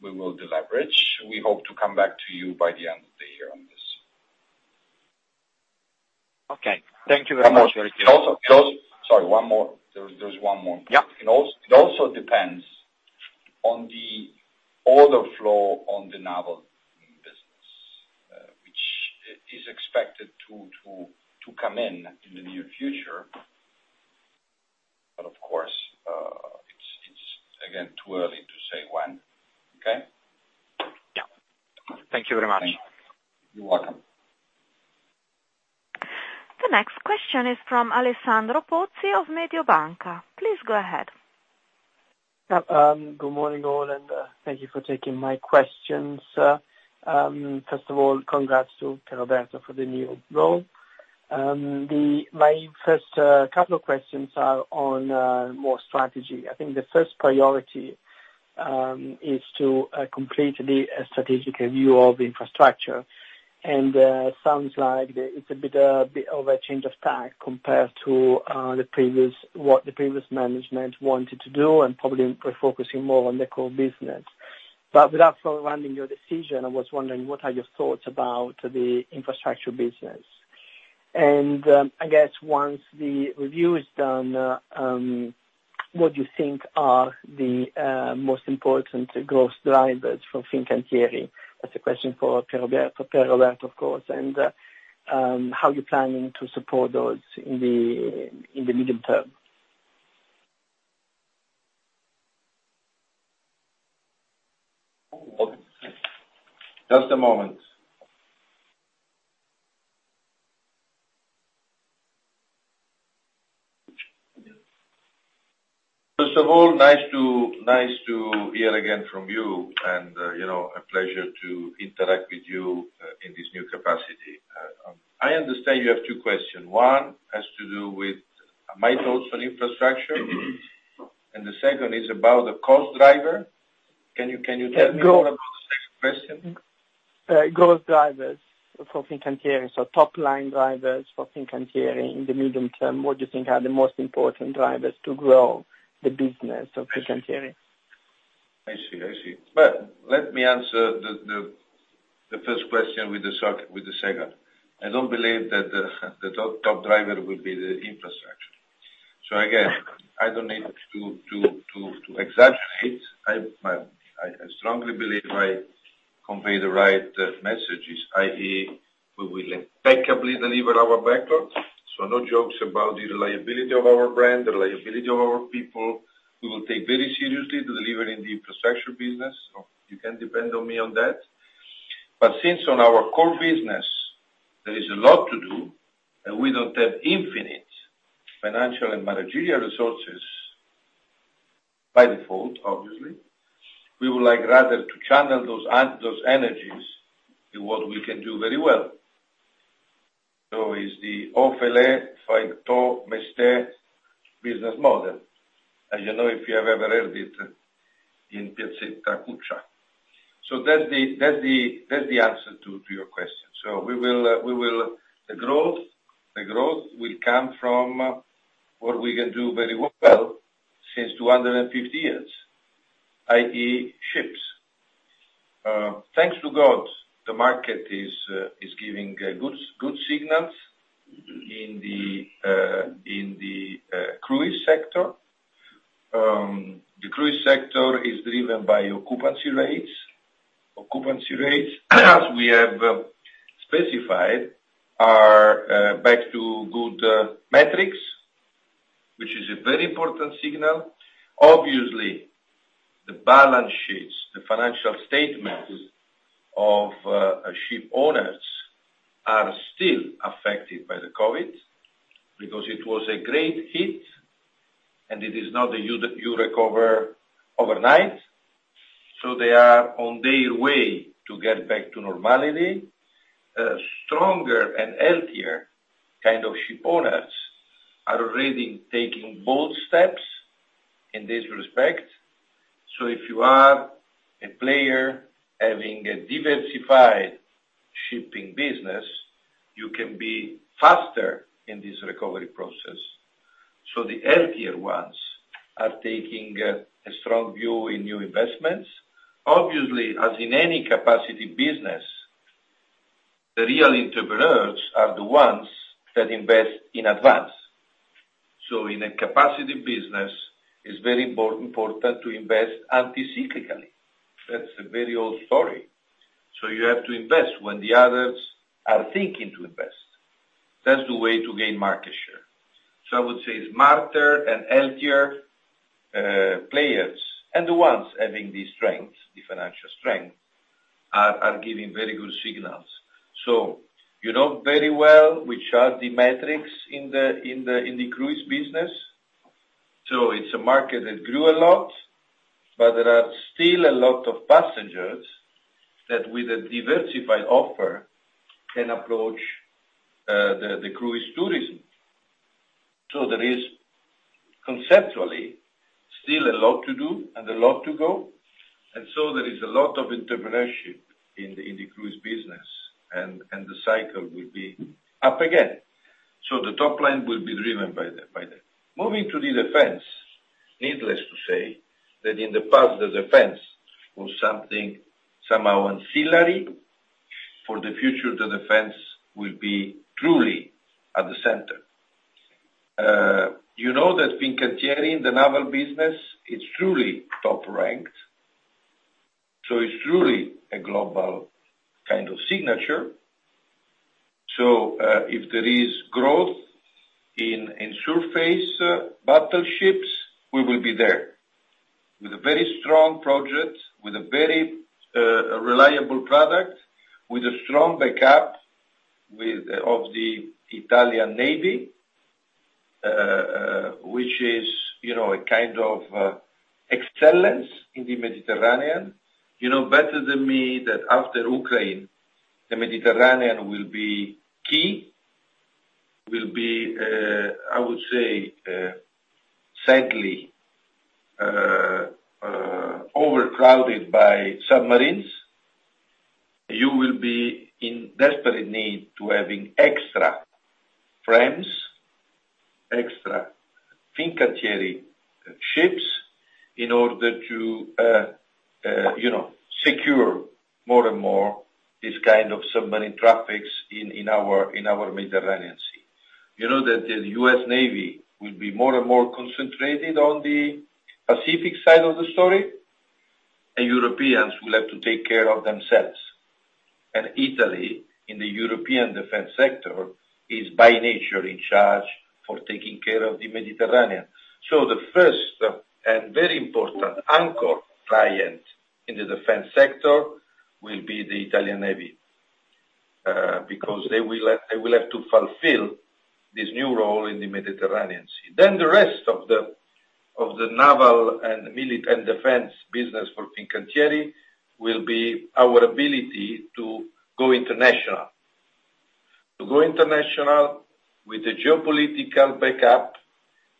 we will deleverage. We hope to come back to you by the end of the year on this. Okay. Thank you very much. One more. Sorry, one more. There's one more. Yeah. It also depends on the order flow on the naval business, which is expected to come in in the near future. Of course, it's again too early to say when. Okay? Yeah. Thank you very much. You're welcome. The next question is from Alessandro Pozzi of Mediobanca. Please go ahead. Good morning, all, and thank you for taking my questions. First of all, congrats to Pierroberto for the new role. My first couple of questions are on more strategy. I think the first priority is to complete the strategic review of infrastructure. Sounds like it's a bit of a change of tack compared to what the previous management wanted to do and probably focusing more on the core business. Without pre-running your decision, I was wondering what are your thoughts about the infrastructure business? I guess once the review is done, what you think are the most important growth drivers for Fincantieri? That's a question for Pierroberto, of course. How you're planning to support those in the medium term? Just a moment. First of all, nice to hear again from you, and, you know, a pleasure to interact with you, in this new capacity. I understand you have two question. One has to do with my thoughts on infrastructure, and the second is about the cost driver. Can you tell me more about the second question? Growth drivers for Fincantieri. Top line drivers for Fincantieri in the medium term. What do you think are the most important drivers to grow the business of Fincantieri? I see. Let me answer the first question with the second. I don't believe that the top driver will be the infrastructure. Again, I don't need to exaggerate. I strongly believe I convey the right messages, i.e., we will impeccably deliver our backlog. No jokes about the reliability of our brand, the reliability of our people. We will take very seriously delivering the infrastructure business. You can depend on me on that. Since on our core business, there is a lot to do, and we don't have infinite financial and managerial resources, by default, obviously, we would like rather to channel those energies in what we can do very well. Is the business model, as you know, if you have ever heard it in. That's the answer to your question. The growth will come from what we can do very well since 250 years, i.e., ships. Thanks to God, the market is giving good signals in the cruise sector. The cruise sector is driven by occupancy rates. Occupancy rates, as we have specified, are back to good metrics, which is a very important signal. Obviously, the balance sheets, the financial statements of ship owners are still affected by the COVID because it was a great hit, and it is not that you recover overnight. They are on their way to get back to normality. Stronger and healthier kind of ship owners are already taking bold steps in this respect. If you are a player having a diversified shipping business, you can be faster in this recovery process. The healthier ones are taking a strong view in new investments. Obviously, as in any capacity business, the real entrepreneurs are the ones that invest in advance. In a capacity business, it's very important to invest anti-cyclically. That's a very old story. You have to invest when the others are thinking to invest. That's the way to gain market share. I would say the smarter and healthier players and the ones having the strength, the financial strength, are giving very good signals. You know very well which are the metrics in the cruise business. It's a market that grew a lot, but there are still a lot of passengers that with a diversified offer can approach the cruise tourism. There is conceptually still a lot to do and a lot to go, and there is a lot of interpretation in the cruise business and the cycle will be up again. The top line will be driven by the- Moving to the defense. Needless to say that in the past, the defense was something somehow ancillary. For the future, the defense will be truly at the center. You know that Fincantieri, the naval business, it's truly top-ranked, so it's truly a global kind of signature. If there is growth in surface battleships, we will be there. With a very strong project, with a very reliable product, with a strong backup of the Italian Navy, which is, you know, a kind of excellence in the Mediterranean. You know better than me that after Ukraine, the Mediterranean will be key, I would say, sadly overcrowded by submarines. You will be in desperate need to having extra friends, extra Fincantieri ships in order to, you know, secure more and more this kind of submarine traffics in our Mediterranean Sea. You know that the U.S. Navy will be more and more concentrated on the Pacific side of the story, and Europeans will have to take care of themselves. Italy, in the European defense sector, is by nature in charge for taking care of the Mediterranean. The first and very important anchor client in the defense sector will be the Italian Navy, because they will have to fulfill this new role in the Mediterranean Sea. The rest of the naval and defense business for Fincantieri will be our ability to go international. To go international with a geopolitical backup,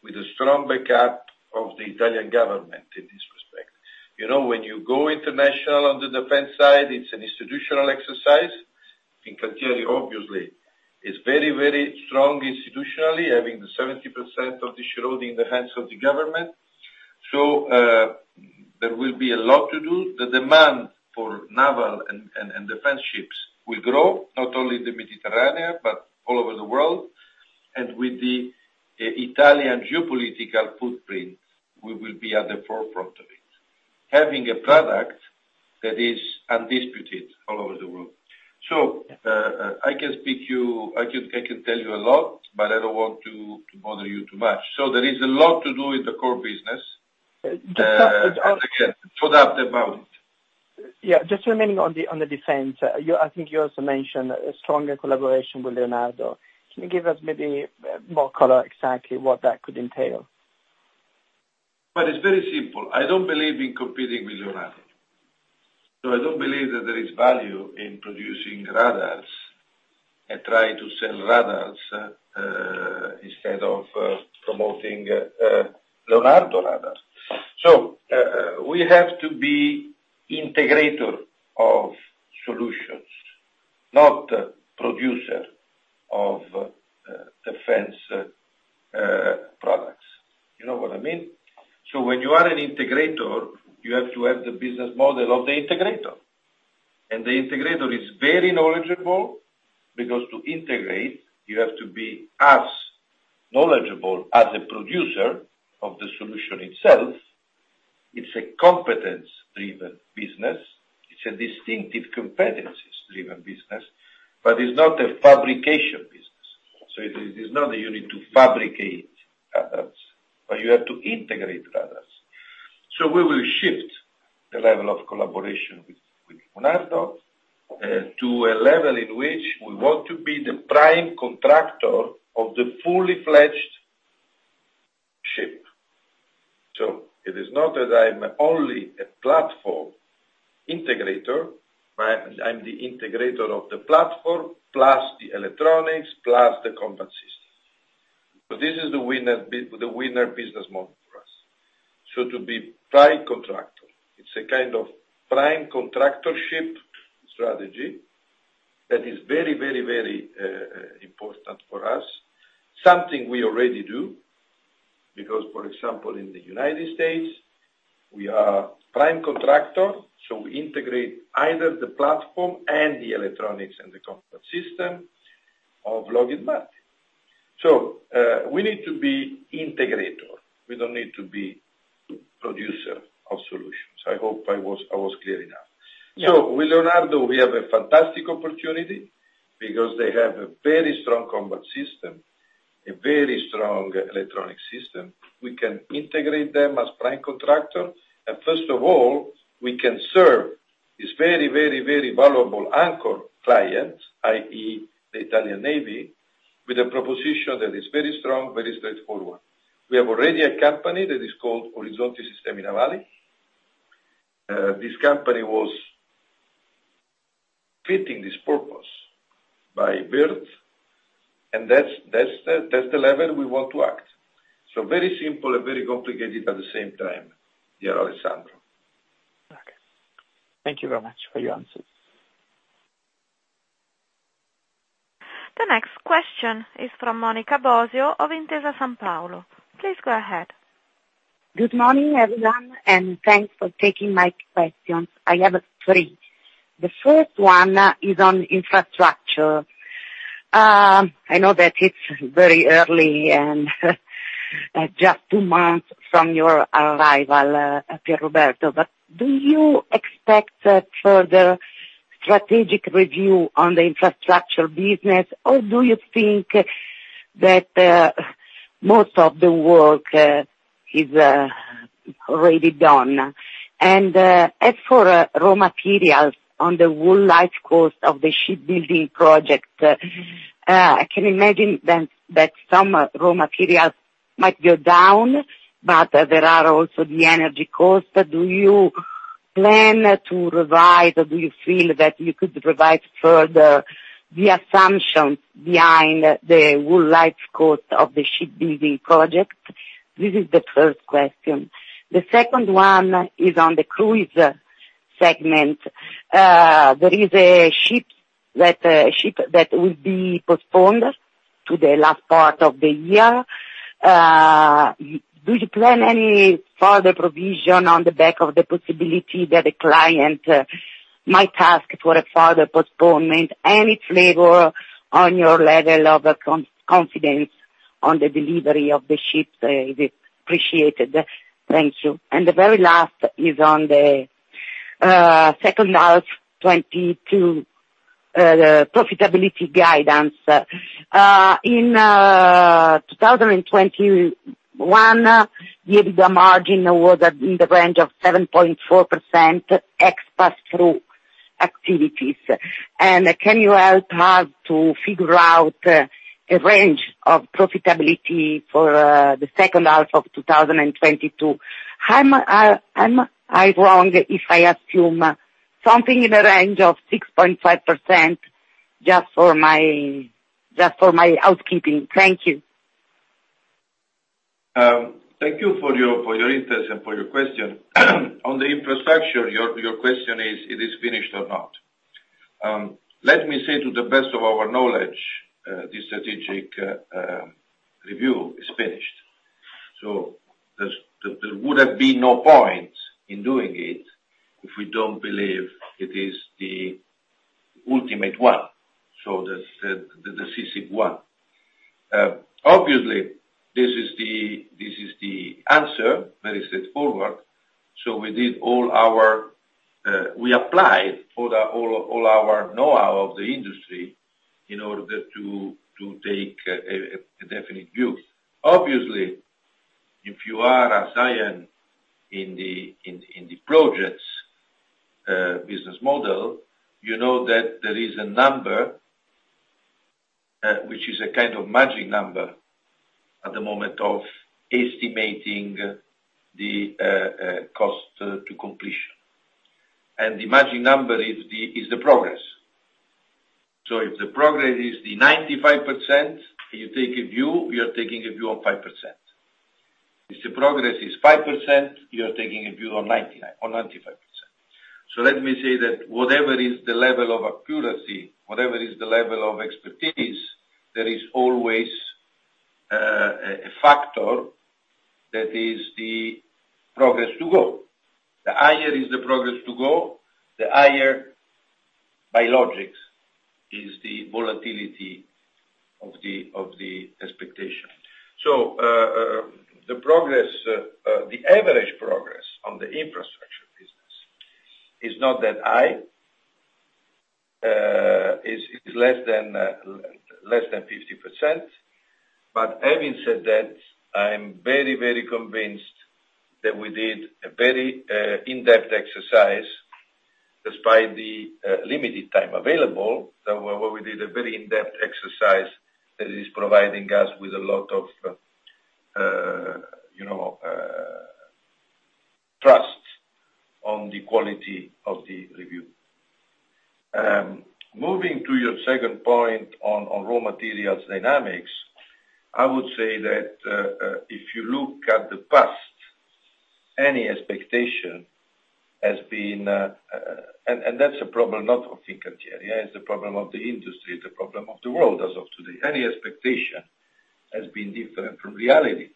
with a strong backup of the Italian government in this respect. You know, when you go international on the defense side, it's an institutional exercise. Fincantieri obviously is very strong institutionally, having the 70% of the shareholding in the hands of the government. There will be a lot to do. The demand for naval and defense ships will grow, not only in the Mediterranean, but all over the world. With the Italian geopolitical footprint, we will be at the forefront of it. Having a product that is undisputed all over the world. I can tell you a lot, but I don't want to bother you too much. There is a lot to do in the core business. Just- As I said, no doubt about it. Yeah. Just remaining on the defense. I think you also mentioned a stronger collaboration with Leonardo. Can you give us maybe more color exactly what that could entail? It's very simple. I don't believe in competing with Leonardo. I don't believe that there is value in producing radars and trying to sell radars, instead of promoting Leonardo radar. We have to be integrator of solutions, not producer of defense products. You know what I mean? When you are an integrator, you have to have the business model of the integrator. The integrator is very knowledgeable, because to integrate, you have to be as knowledgeable as a producer of the solution itself. It's a competence-driven business. It's a distinctive competencies-driven business, but it's not a fabrication business. It is not that you need to fabricate radars, but you have to integrate radars. We will shift the level of collaboration with Leonardo to a level in which we want to be the prime contractor of the fully fledged ship. It is not that I'm only a platform integrator. I'm the integrator of the platform, plus the electronics, plus the combat system. This is the winner business model for us. To be prime contractor, it's a kind of prime contractorship strategy that is very important for us. Something we already do, because, for example, in the United States, we are prime contractor, so we integrate either the platform and the electronics and the combat system of Lockheed Martin. We need to be integrator. We don't need to be producer of solutions. I hope I was clear enough. Yeah. With Leonardo, we have a fantastic opportunity because they have a very strong combat system, a very strong electronic system. We can integrate them as prime contractor. First of all, we can serve these very valuable anchor clients, i.e., the Italian Navy, with a proposition that is very strong, very straightforward. We have already a company that is called Orizzonte Sistemi Navali. This company was fitting this purpose by design, and that's the level we want to act. Very simple and very complicated at the same time via Alessandro. Okay. Thank you very much for your answers. The next question is from Monica Bosio of Intesa Sanpaolo. Please go ahead. Good morning, everyone, and thanks for taking my questions. I have three. The first one is on infrastructure. I know that it's very early and just two months from your arrival, Pierroberto, but do you expect a further strategic review on the infrastructure business, or do you think that most of the work is already done? As for raw materials on the whole life costs of the shipbuilding project, I can imagine that some raw materials might go down, but there are also the energy costs. Do you plan to revise, or do you feel that you could revise further the assumption behind the whole life costs of the shipbuilding project? This is the first question. The second one is on the cruise segment. There is a ship that will be postponed to the last part of the year. Do you plan any further provision on the back of the possibility that a client might ask for a further postponement? Any flavor on your level of confidence on the delivery of the ships is appreciated. Thank you. The very last is on the second half 2022 profitability guidance. In 2021, EBITDA margin was in the range of 7.4% ex pass-through activities. Can you help us to figure out a range of profitability for the second half of 2022? Am I wrong if I assume something in the range of 6.5%, just for my housekeeping? Thank you. Thank you for your interest and for your question. On the infrastructure, your question is, it is finished or not? Let me say to the best of our knowledge, the strategic review is finished. There would have been no point in doing it if we don't believe it is the ultimate one, the decisive one. Obviously, this is the answer, very straightforward. We applied all our know-how of the industry in order to take a definite view. Obviously, if you are a client in the projects business model, you know that there is a number which is a kind of magic number at the moment of estimating the cost to completion. The magic number is the progress. If the progress is the 95%, you take a view, you are taking a view of 5%. If the progress is 5%, you are taking a view of 99% or 95%. Let me say that whatever is the level of accuracy, whatever is the level of expertise, there is always a factor that is the progress to go. The higher is the progress to go, the higher by logic is the volatility of the expectation. The average progress on the infrastructure business is not that high. It is less than 50%. Having said that, I'm very convinced that we did a very in-depth exercise despite the limited time available. We did a very in-depth exercise that is providing us with a lot of trust on the quality of the review. Moving to your second point on raw materials dynamics, I would say that if you look at the past, that's a problem not of Fincantieri. It's a problem of the industry, it's a problem of the world as of today. Any expectation has been different from reality.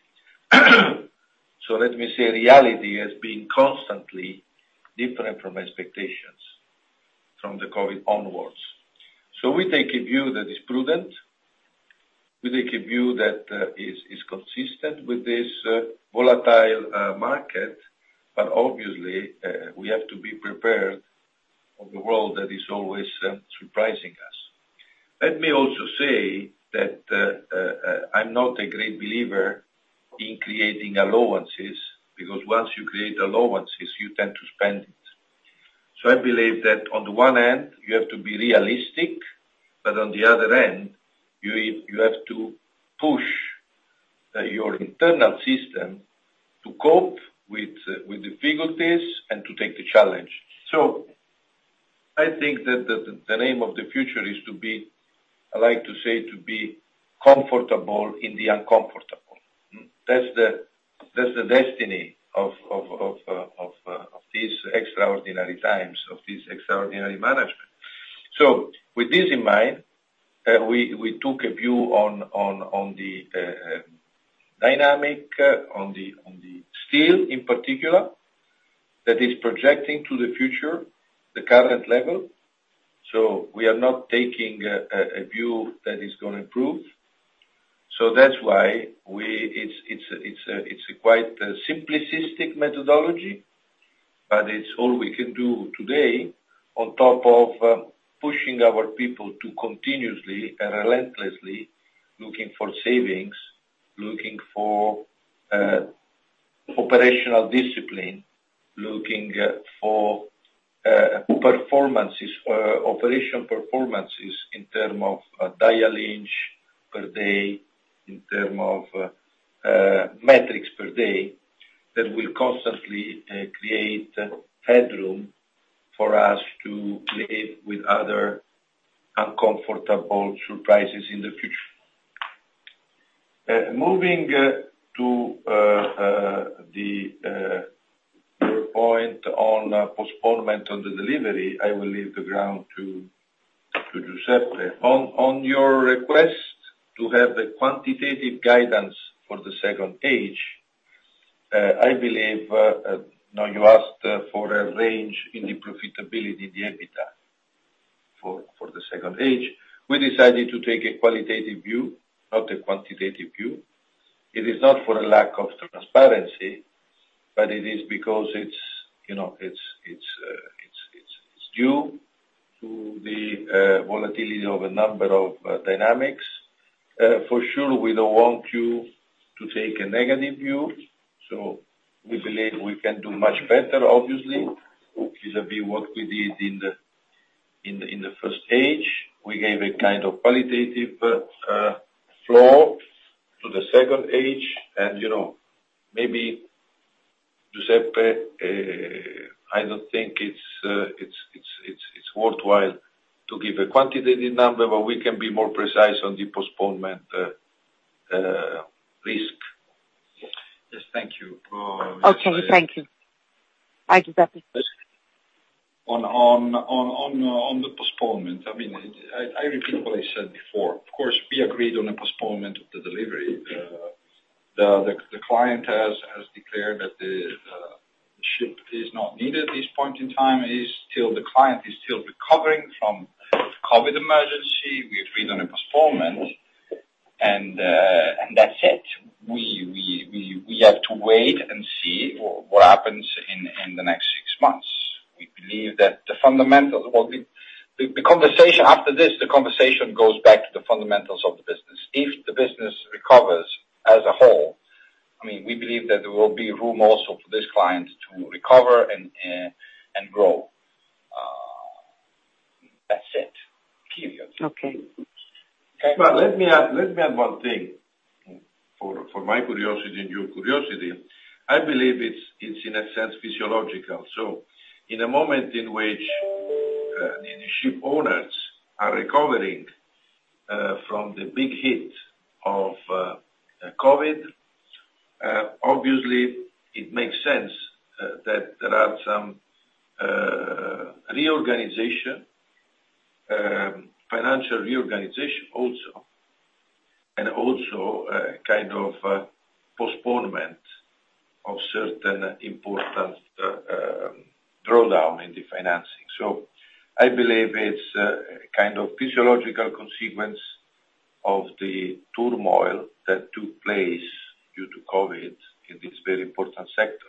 Let me say reality has been constantly different from expectations, from the COVID onwards. We take a view that is prudent. We take a view that is consistent with this volatile market. Obviously, we have to be prepared for a world that is always surprising us. Let me also say that, I'm not a great believer in creating allowances, because once you create allowances, you tend to spend it. I believe that on the one end, you have to be realistic, but on the other end, you have to push your internal system to cope with the difficulties and to take the challenge. I think that the name of the future is to be, I like to say, to be comfortable in the uncomfortable. That's the destiny of these extraordinary times, of this extraordinary management. With this in mind, we took a view on the dynamics, on the steel in particular, that is projecting to the future the current level. We are not taking a view that is gonna improve. That's why it's a quite simplistic methodology, but it's all we can do today on top of pushing our people to continuously and relentlessly looking for savings, looking for operational discipline, looking for performances, operational performances in terms of daily inch per day, in terms of metrics per day, that will constantly create headroom for us to live with other uncomfortable surprises in the future. Moving to your point on the postponement of the delivery, I will leave the floor to Giuseppe. On your request to have the quantitative guidance for the second half, I believe now you asked for a range in the profitability, the EBITDA for the second half. We decided to take a qualitative view, not a quantitative view. It is not for lack of transparency, but it is because it's due to the volatility of a number of dynamics. For sure, we don't want you to take a negative view, so we believe we can do much better obviously, vis-à-vis work we did in the first half. We gave a kind of qualitative flavor to the second half. Maybe Giuseppe, I don't think it's worthwhile to give a quantitative number, but we can be more precise on the postponement risk. Yes. Thank you. Okay, thank you. Giuseppe. On the postponement, I mean, I repeat what I said before. Of course, we agreed on a postponement of the delivery. The client has declared that the ship is not needed at this point in time. The client is still recovering from COVID emergency. We agreed on a postponement, and that's it. We have to wait and see what happens in the next six months. We believe that the fundamentals. Well, the conversation after this, the conversation goes back to the fundamentals of the business. If the business recovers as a whole, I mean, we believe that there will be room also for this client to recover and grow. That's it, period. Okay. Let me add one thing for my curiosity and your curiosity. I believe it's in a sense physiological. In a moment in which the ship owners are recovering from the big hit of COVID, obviously it makes sense that there are some reorganization, financial reorganization also, and also kind of postponement of certain important drawdown in the financing. I believe it's kind of physiological consequence of the turmoil that took place due to COVID in this very important sector.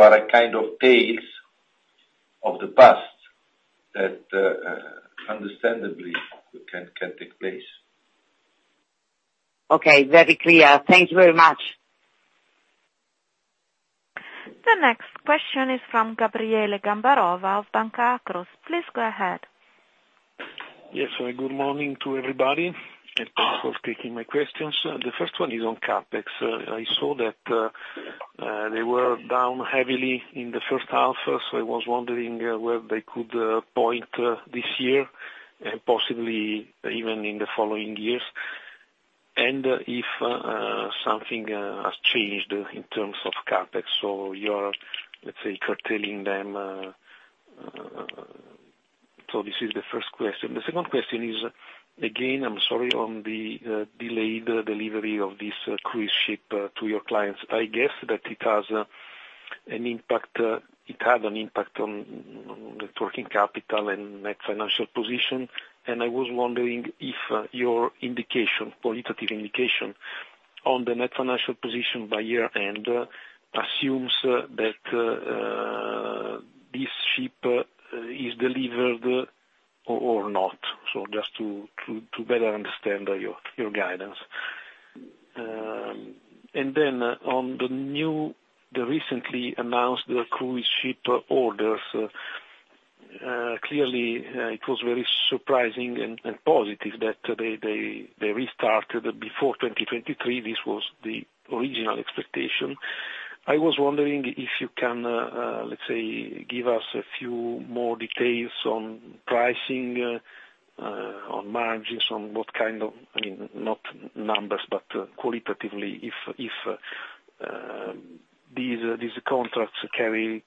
At a kind of pace of the past that understandably can take place. Okay. Very clear. Thank you very much. The next question is from Gabriele Gambarova of Banca Akros. Please go ahead. Yes. Good morning to everybody, and thanks for taking my questions. The first one is on CapEx. I saw that, they were down heavily in the first half. I was wondering where they could end this year and possibly even in the following years. If something has changed in terms of CapEx, so you're, let's say, curtailing them. This is the first question. The second question is, again, I'm sorry, on the delayed delivery of this cruise ship to your clients. I guess that it has an impact. It had an impact on working capital and net financial position. I was wondering if your indication, qualitative indication on the net financial position by year-end assumes that this ship is delivered or not. Just to better understand your guidance. On the recently announced cruise ship orders. Clearly, it was very surprising and positive that they restarted before 2023. This was the original expectation. I was wondering if you can, let's say, give us a few more details on pricing, on margins, on what kind of I mean, not numbers, but qualitatively if these contracts carry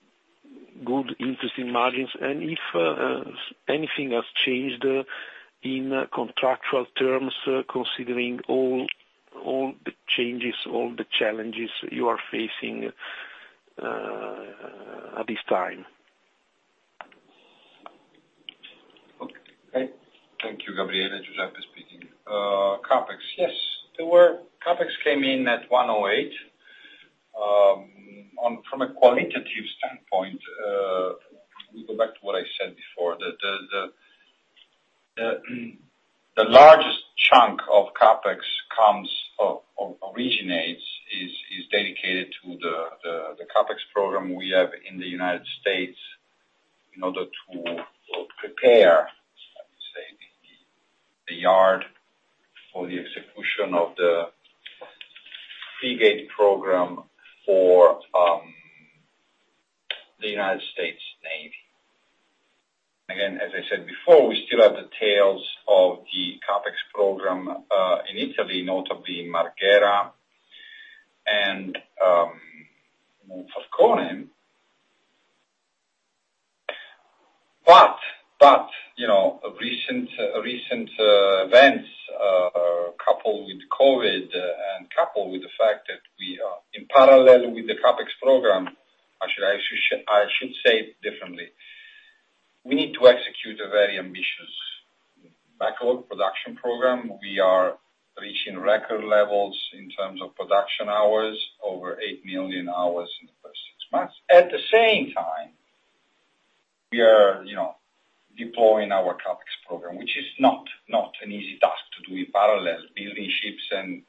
good interesting margins and if anything has changed in contractual terms, considering all the changes, the challenges you are facing at this time. Okay, thank you, Gabriele. Giuseppe speaking. CapEx. Yes, CapEx came in at 108. From a qualitative standpoint, we go back to what I said before, that the largest chunk of CapEx comes or originates is dedicated to the CapEx program we have in the United States in order to prepare, let me say, the yard for the execution of the Frigate program for the United States Navy. Again, as I said before, we still have the tails of the CapEx program in Italy, notably Marghera and Monfalcone. You know, recent events coupled with COVID and coupled with the fact that we are in parallel with the CapEx program. I should say it differently. We need to execute a very ambitious backlog production program. We are reaching record levels in terms of production hours, over 8 million hours in the first six months. At the same time, we are deploying our CapEx program, which is not an easy task to do in parallel. Building ships and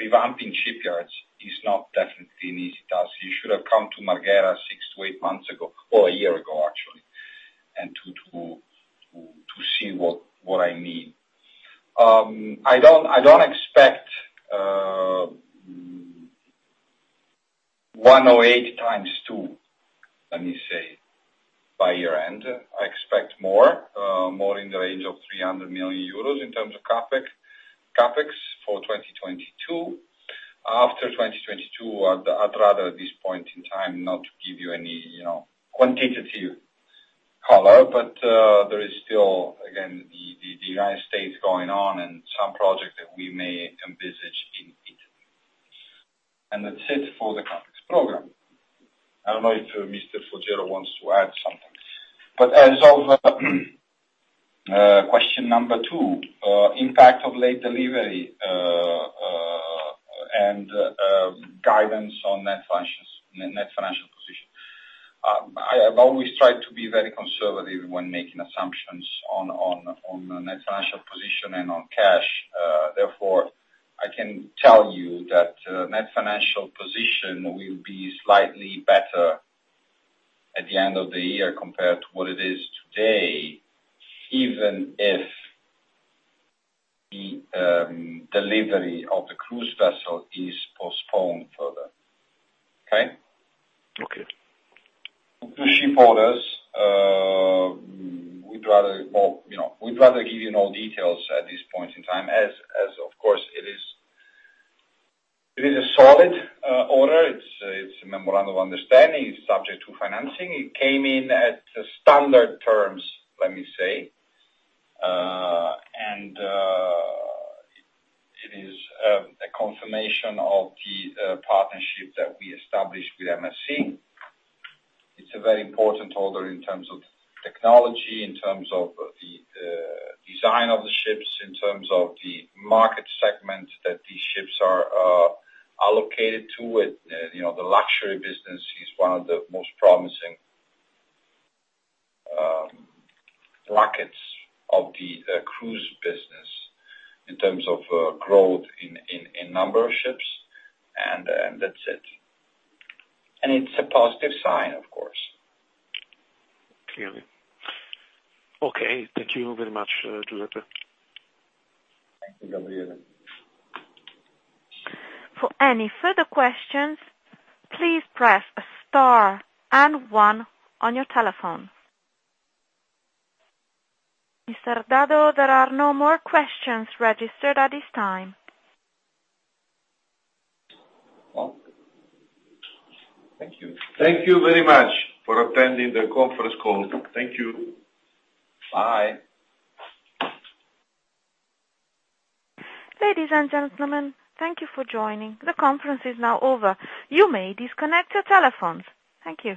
revamping shipyards is not definitely an easy task. You should have come to Marghera six to eight months ago or a year ago actually, and to see what I mean. I don't expect 108 times 2, let me say, by year-end. I expect more in the range of 300 million euros in terms of CapEx for 2022. After 2022, I'd rather at this point in time not give you any quantitative color. There is still, again, the United States going on and some projects that we may envisage in Italy. That's it for the CapEx program. I don't know if Mr. Folgiero wants to add something. As of question number two, impact of late delivery and guidance on net financials, net financial position. I have always tried to be very conservative when making assumptions on net financial position and on cash. Therefore, I can tell you that net financial position will be slightly better at the end of the year compared to what it is today, even if the delivery of the cruise vessel is postponed further. Okay. Okay. The ship orders, we'd rather, well, you know, we'd rather give you no details at this point in time as of course it is a solid order. It's a memorandum of understanding. It's subject to financing. It came in at standard terms, let me say. It is a confirmation of the partnership that we established with MSC. It's a very important order in terms of technology, in terms of the design of the ships, in terms of the market segment that these ships are allocated to. You know, the luxury business is one of the most promising brackets of the cruise business in terms of growth in number of ships, and that's it. It's a positive sign, of course. Clearly. Okay. Thank you very much, Giuseppe. Thank you, Gabriele. For any further questions, please press star and one on your telephone. Mr. Dado, there are no more questions registered at this time. Well, thank you. Thank you very much for attending the conference call. Thank you. Bye. Ladies and gentlemen, thank you for joining. The conference is now over. You may disconnect your telephones. Thank you.